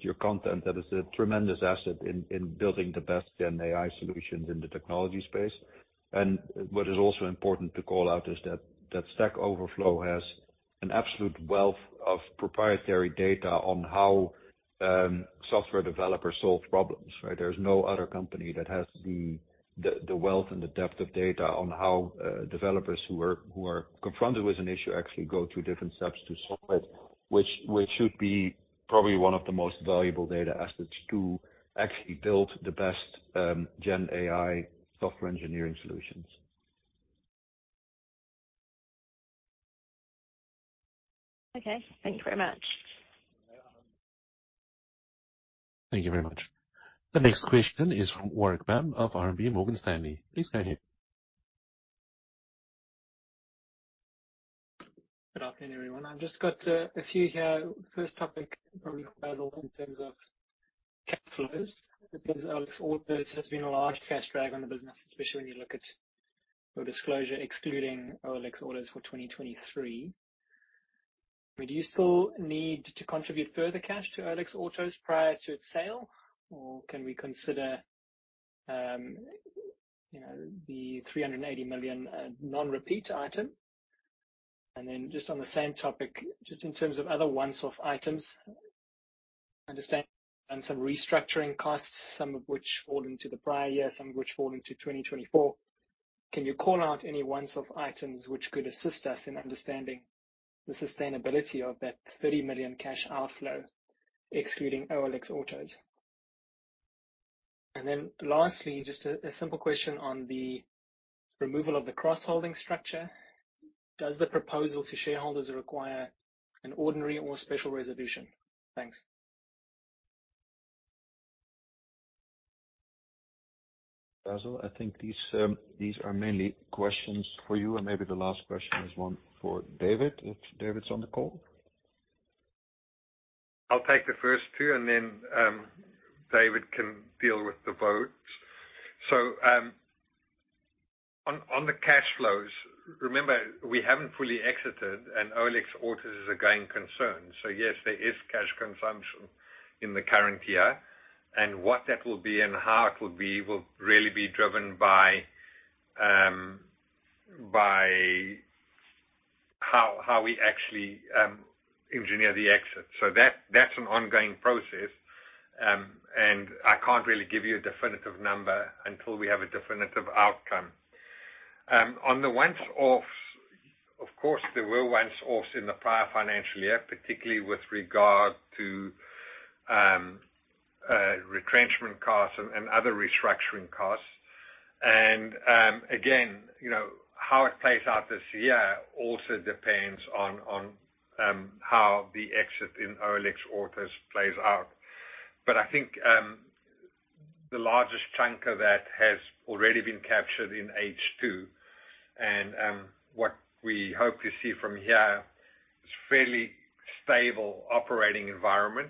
C: your content, that is a tremendous asset in building the best Gen AI solutions in the technology space. What is also important to call out is that Stack Overflow has an absolute wealth of proprietary data on how software developers solve problems, right? There's no other company that has the wealth and the depth of data on how developers who are confronted with an issue, actually go through different steps to solve it, which should be probably one of the most valuable data assets to actually build the best GenAI software engineering solutions.
M: Okay, thank you very much.
A: Thank you very much. The next question is from Warwick Bam of RMB Morgan Stanley. Please go ahead.
N: Good afternoon, everyone. I've just got a few here. First topic, probably, Basil, in terms of cash flows, because OLX Autos has been a large cash drag on the business, especially when you look at your disclosure, excluding OLX Autos for 2023. Do you still need to contribute further cash to OLX Autos prior to its sale, or can we consider, you know, the $380 million non-repeat item? Just on the same topic, just in terms of other once-off items, understand and some restructuring costs, some of which fall into the prior year, some of which fall into 2024. Can you call out any once-off items which could assist us in understanding the sustainability of that $30 million cash outflow, excluding OLX Autos? Lastly, just a simple question on the removal of the cross-holding structure. Does the proposal to shareholders require an ordinary or special resolution? Thanks.
C: Basil, I think these are mainly questions for you, and maybe the last question is one for David, if David's on the call.
D: I'll take the first two, and then David can deal with the votes. On the cash flows, remember, we haven't fully exited, and OLX Autos is a growing concern. Yes, there is cash consumption in the current year, and what that will be and how it will be, will really be driven by how we actually engineer the exit. That, that's an ongoing process, and I can't really give you a definitive number until we have a definitive outcome. On the once-offs, of course, there were once-offs in the prior financial year, particularly with regard to retrenchment costs and other restructuring costs. Again, you know, how it plays out this year also depends on how the exit in OLX Autos plays out. I think, the largest chunk of that has already been captured in H2, what we hope to see from here is fairly stable operating environment,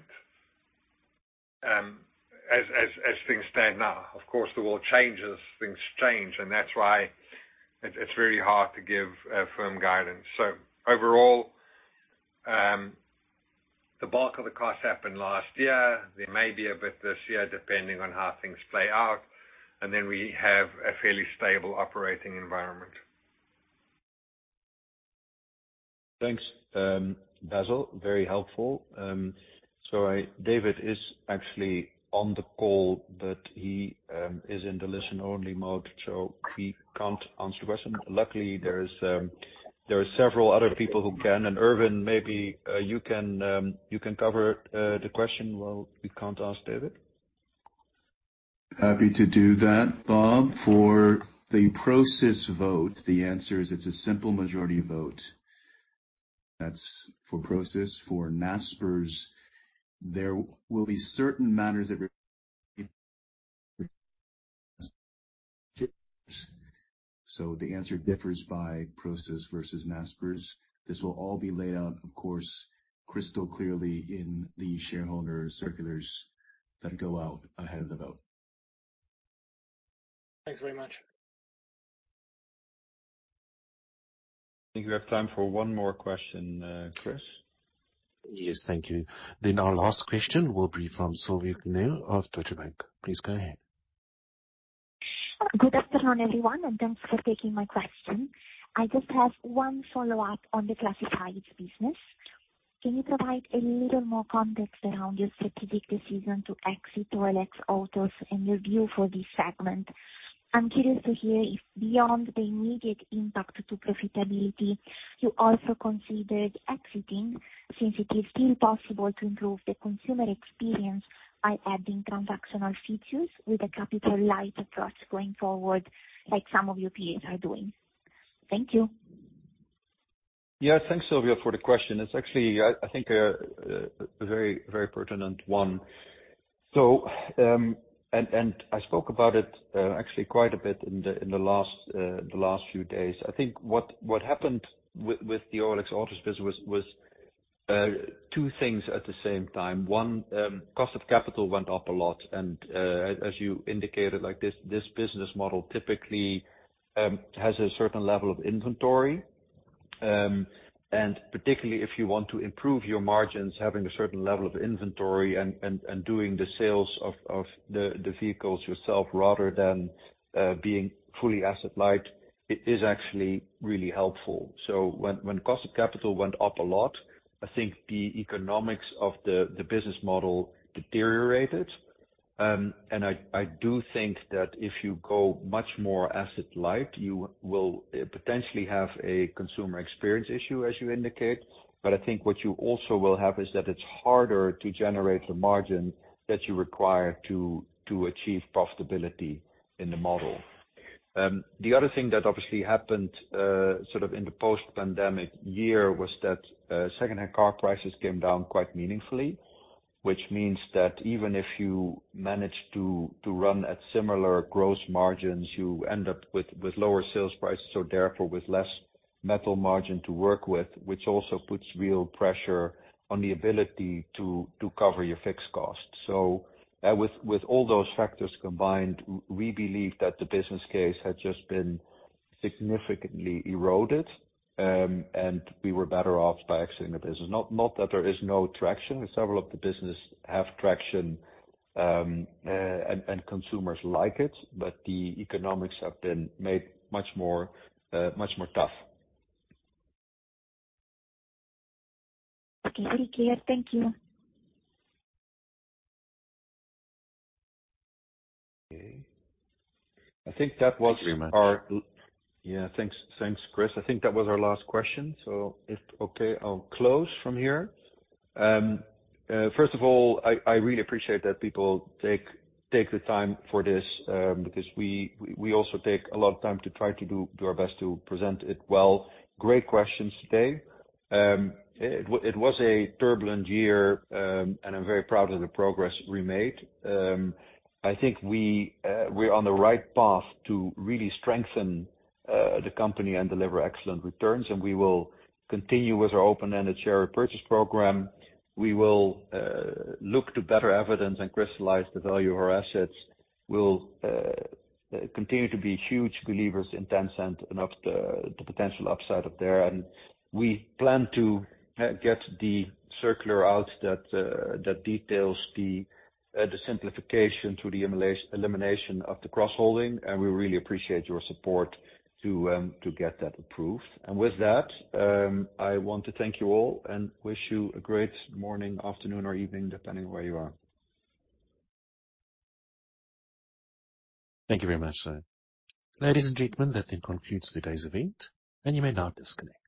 D: as things stand now. Of course, the world changes, things change, and that's why it's very hard to give firm guidance. Overall, the bulk of the costs happened last year. There may be a bit this year, depending on how things play out, and then we have a fairly stable operating environment.
C: Thanks, Basil. Very helpful. David is actually on the call, but he is in the listen-only mode, so he can't answer the question. Luckily, there are several other people who can, Ervin, maybe you can cover the question while we can't ask David?
O: Happy to do that, Bob. For the Prosus vote, the answer is it's a simple majority vote. That's for Prosus. For Naspers, there will be certain matters that. The answer differs by Prosus versus Naspers. This will all be laid out, of course, crystal clearly in the shareholder circulars that go out ahead of the vote.
N: Thanks very much.
C: I think we have time for one more question, Chris.
A: Yes, thank you. Our last question will be from Silvia Cuneo of Deutsche Bank. Please go ahead.
P: Good afternoon, everyone, and thanks for taking my question. I just have one follow-up on the Classifieds business. Can you provide a little more context around your strategic decision to exit OLX Autos and your view for this segment? I'm curious to hear if beyond the immediate impact to profitability, you also considered exiting, since it is still possible to improve the consumer experience by adding transactional features with a capital light approach going forward, like some of your peers are doing. Thank you.
C: Yeah. Thanks, Silvia, for the question. It's actually, I think a very pertinent one. I spoke about it actually quite a bit in the last few days. I think what happened with the OLX Autos business was two things at the same time. One, cost of capital went up a lot, and as you indicated, like, this business model typically has a certain level of inventory. Particularly, if you want to improve your margins, having a certain level of inventory and doing the sales of the vehicles yourself, rather than being fully asset light, it is actually really helpful. When cost of capital went up a lot, I think the economics of the business model deteriorated. I do think that if you go much more asset light, you will potentially have a consumer experience issue, as you indicate. I think what you also will have is that it's harder to generate the margin that you require to achieve profitability in the model. The other thing that obviously happened sort of in the post-pandemic year, was that secondhand car prices came down quite meaningfully, which means that even if you managed to run at similar gross margins, you end up with lower sales prices, so therefore with less metal margin to work with, which also puts real pressure on the ability to cover your fixed costs. With all those factors combined, we believe that the business case had just been significantly eroded, and we were better off by exiting the business. Not that there is no traction. Several of the business have traction, and consumers like it. The economics have been made much more tough.
P: Okay. Very clear. Thank you.
C: Okay. I think that was.
A: Thank you very much.
C: Yeah, thanks, Chris. I think that was our last question, so if okay, I'll close from here. First of all, I really appreciate that people take the time for this, because we also take a lot of time to try to do our best to present it well. Great questions today. It was a turbulent year, I'm very proud of the progress we made. I think we're on the right path to really strengthen the company and deliver excellent returns. We will continue with our open-ended share repurchase program. We will look to better evidence and crystallize the value of our assets. We'll continue to be huge believers in Tencent and of the potential upside of there. We plan to get the circular out that details the simplification through the elimination of the cross-holding, and we really appreciate your support to get that approved. With that, I want to thank you all and wish you a great morning, afternoon, or evening, depending on where you are.
A: Thank you very much, sir. Ladies and gentlemen, that then concludes today's event, and you may now disconnect.